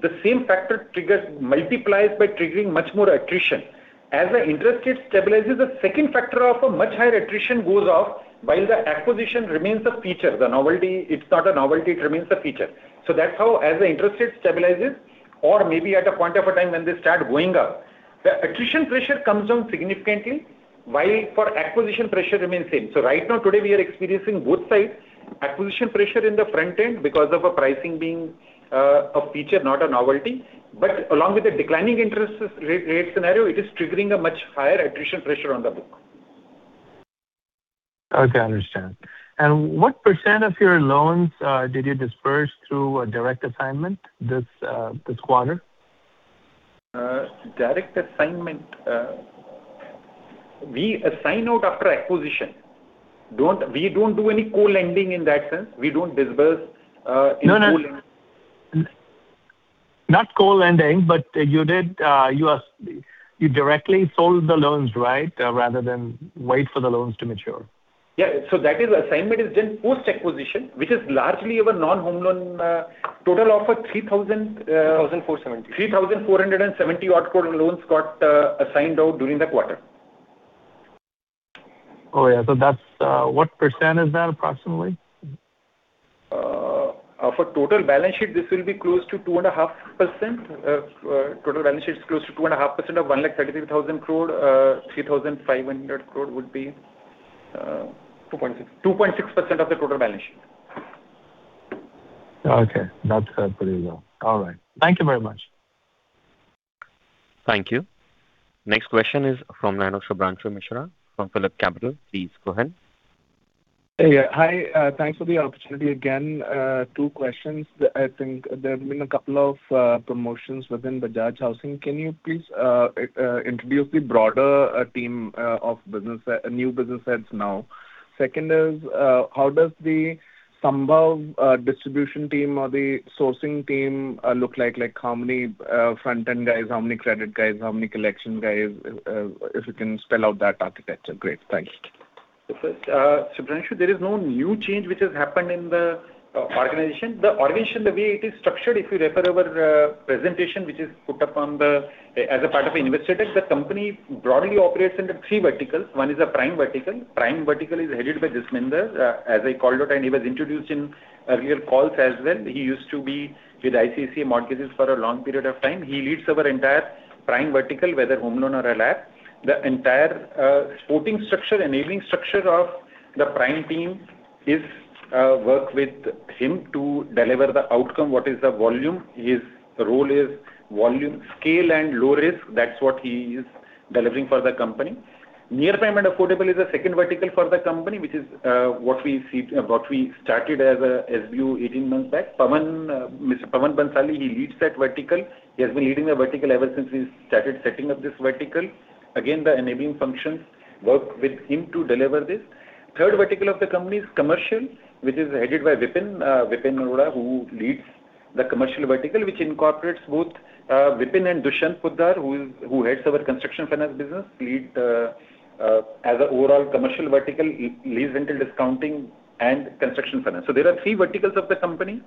the same factor multiplies by triggering much more attrition. As the interest rate stabilizes, the second factor of a much higher attrition goes off while the acquisition remains a feature. It's not a novelty. It remains a feature. So that's how, as the interest rate stabilizes or maybe at a point in time when they start going up, the attrition pressure comes down significantly while the acquisition pressure remains the same. So right now, today, we are experiencing both sides, acquisition pressure in the front end because of pricing being a feature, not a novelty. But along with the declining interest rate scenario, it is triggering a much higher attrition pressure on the book. Okay. Understand. And what % of your loans did you disburse through direct assignment this quarter? Direct assignment, we assign out after acquisition. We don't do any co-lending in that sense. We don't disburse in co-lending. No. No. Not co-lending, but you directly sold the loans, right, rather than wait for the loans to mature? Yeah. So assignment is done post-acquisition, which is largely our non-home loan total of 3,000. 3,470. 3,470-odd crore loans got assigned out during the quarter. Oh, yeah. So what percent is that approximately? For total balance sheet, this will be close to 2.5%. Total balance sheet is close to 2.5% of 133,000 crore. 3,500 crore would be 2.6. 2.6% of the total balance sheet. Okay. That's pretty well. All right. Thank you very much. Thank you. Next question is from line of Shubhranshu Mishra from PhillipCapital. Please go ahead. Hey. Hi. Thanks for the opportunity again. Two questions. I think there have been a couple of promotions within Bajaj Housing. Can you please introduce the broader team of new business heads now? Second is, how does the Sambhav distribution team or the sourcing team look like? How many front end guys, how many credit guys, how many collection guys? If you can spell out that architecture. Great. Thanks. So first, Shubhranshu, there is no new change which has happened in the organization. The organization, the way it is structured, if you refer to our presentation which is put up as a part of Investor Deck, the company broadly operates under three verticals. One is a prime vertical. Prime vertical is headed by Jasminder. As I called out, and he was introduced in earlier calls as well, he used to be with ICICI mortgages for a long period of time. He leads our entire prime vertical, whether home loan or LAP. The entire supporting structure, enabling structure of the prime team is work with him to deliver the outcome, what is the volume. His role is volume scale and low risk. That's what he is delivering for the company. Near prime affordable is the second vertical for the company, which is what we started as an SBU 18 months back. Mr. Pawan Bhansali, he leads that vertical. He has been leading the vertical ever since he started setting up this vertical. Again, the enabling functions work with him to deliver this. Third vertical of the company is commercial, which is headed by Vipin Arora, who leads the commercial vertical, which incorporates both Vipin and Dushyant Poddar, who heads our construction finance business, lead as an overall commercial vertical, lease rental discounting, and construction finance. So there are three verticals of the company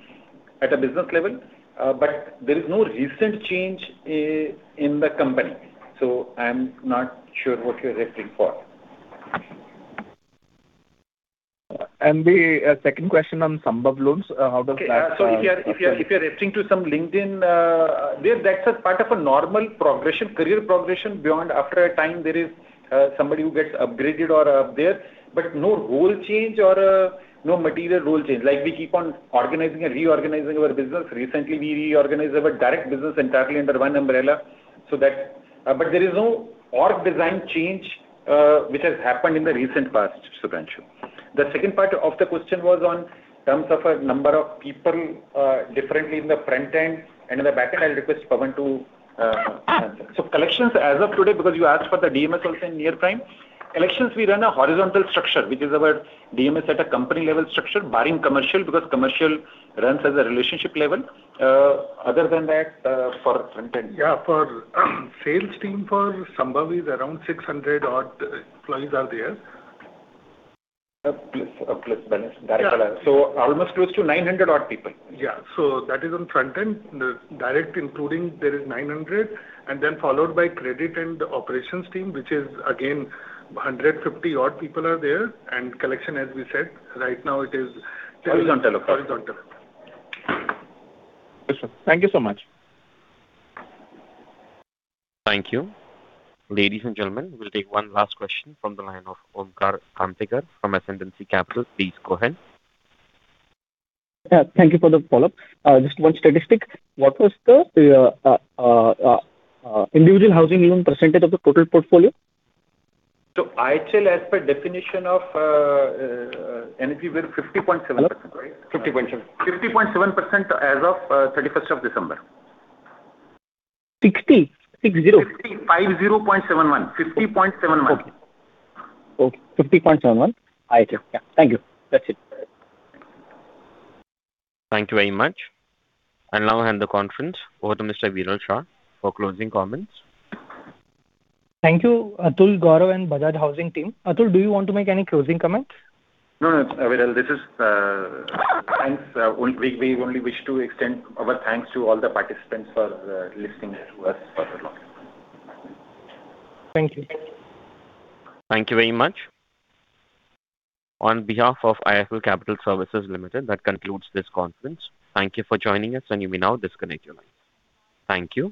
at a business level. But there is no recent change in the company. So I'm not sure what you're referring for. And the second question on Sambhav loans, how does that? Okay. So if you're referring to some LinkedIn, that's a part of a normal progression, career progression beyond after a time, there is somebody who gets upgraded or up there. But no role change or no material role change. We keep on organizing and reorganizing our business. Recently, we reorganized our direct business entirely under one umbrella. But there is no org design change which has happened in the recent past, Shubhranshu. The second part of the question was on terms of a number of people differently in the front end. And in the back end, I'll request Pawan to answer. So collections as of today, because you asked for the DMS also in near prime, collections, we run a horizontal structure, which is our DMS at a company level structure, barring commercial because commercial runs as a relationship level. Other than that, for front end. Yeah. Sales team for Sambhav is around 600 odd employees are there. A Plus balance, direct alliance. So almost close to 900 odd people. Yeah. So that is on front end, direct including, there is 900, and then followed by credit and operations team, which is, again, 150 odd people are there. And collection, as we said, right now, it is. Horizontal across? Horizontal. Yes, sir. Thank you so much. Thank you. Ladies and gentlemen, we'll take one last question from the line of Omkar Kamtekar from Ascendancy Capital. Please go ahead. Thank you for the follow-up. Just one statistic. What was the individual housing loan percentage of the total portfolio? So IHL, as per definition of NHB, we're 50.7%, right? 50.7%. 50.7% as of 31st of December. 60. 60. 50.71. 50.71. Okay. Okay. 50.71. IHL. Yeah. Thank you. That's it. Thank you very much. I'll now hand the conference over to Mr. Viral Shah for closing comments. Thank you, Atul, Gaurav and Bajaj Housing team. Atul, do you want to make any closing comments? No. No. Viral, thanks. We only wish to extend our thanks to all the participants for listening to us for a long time. Thank you. Thank you very much. On behalf of IIFL Capital Services Limited, that concludes this conference. Thank you for joining us. You may now disconnect your lines. Thank you.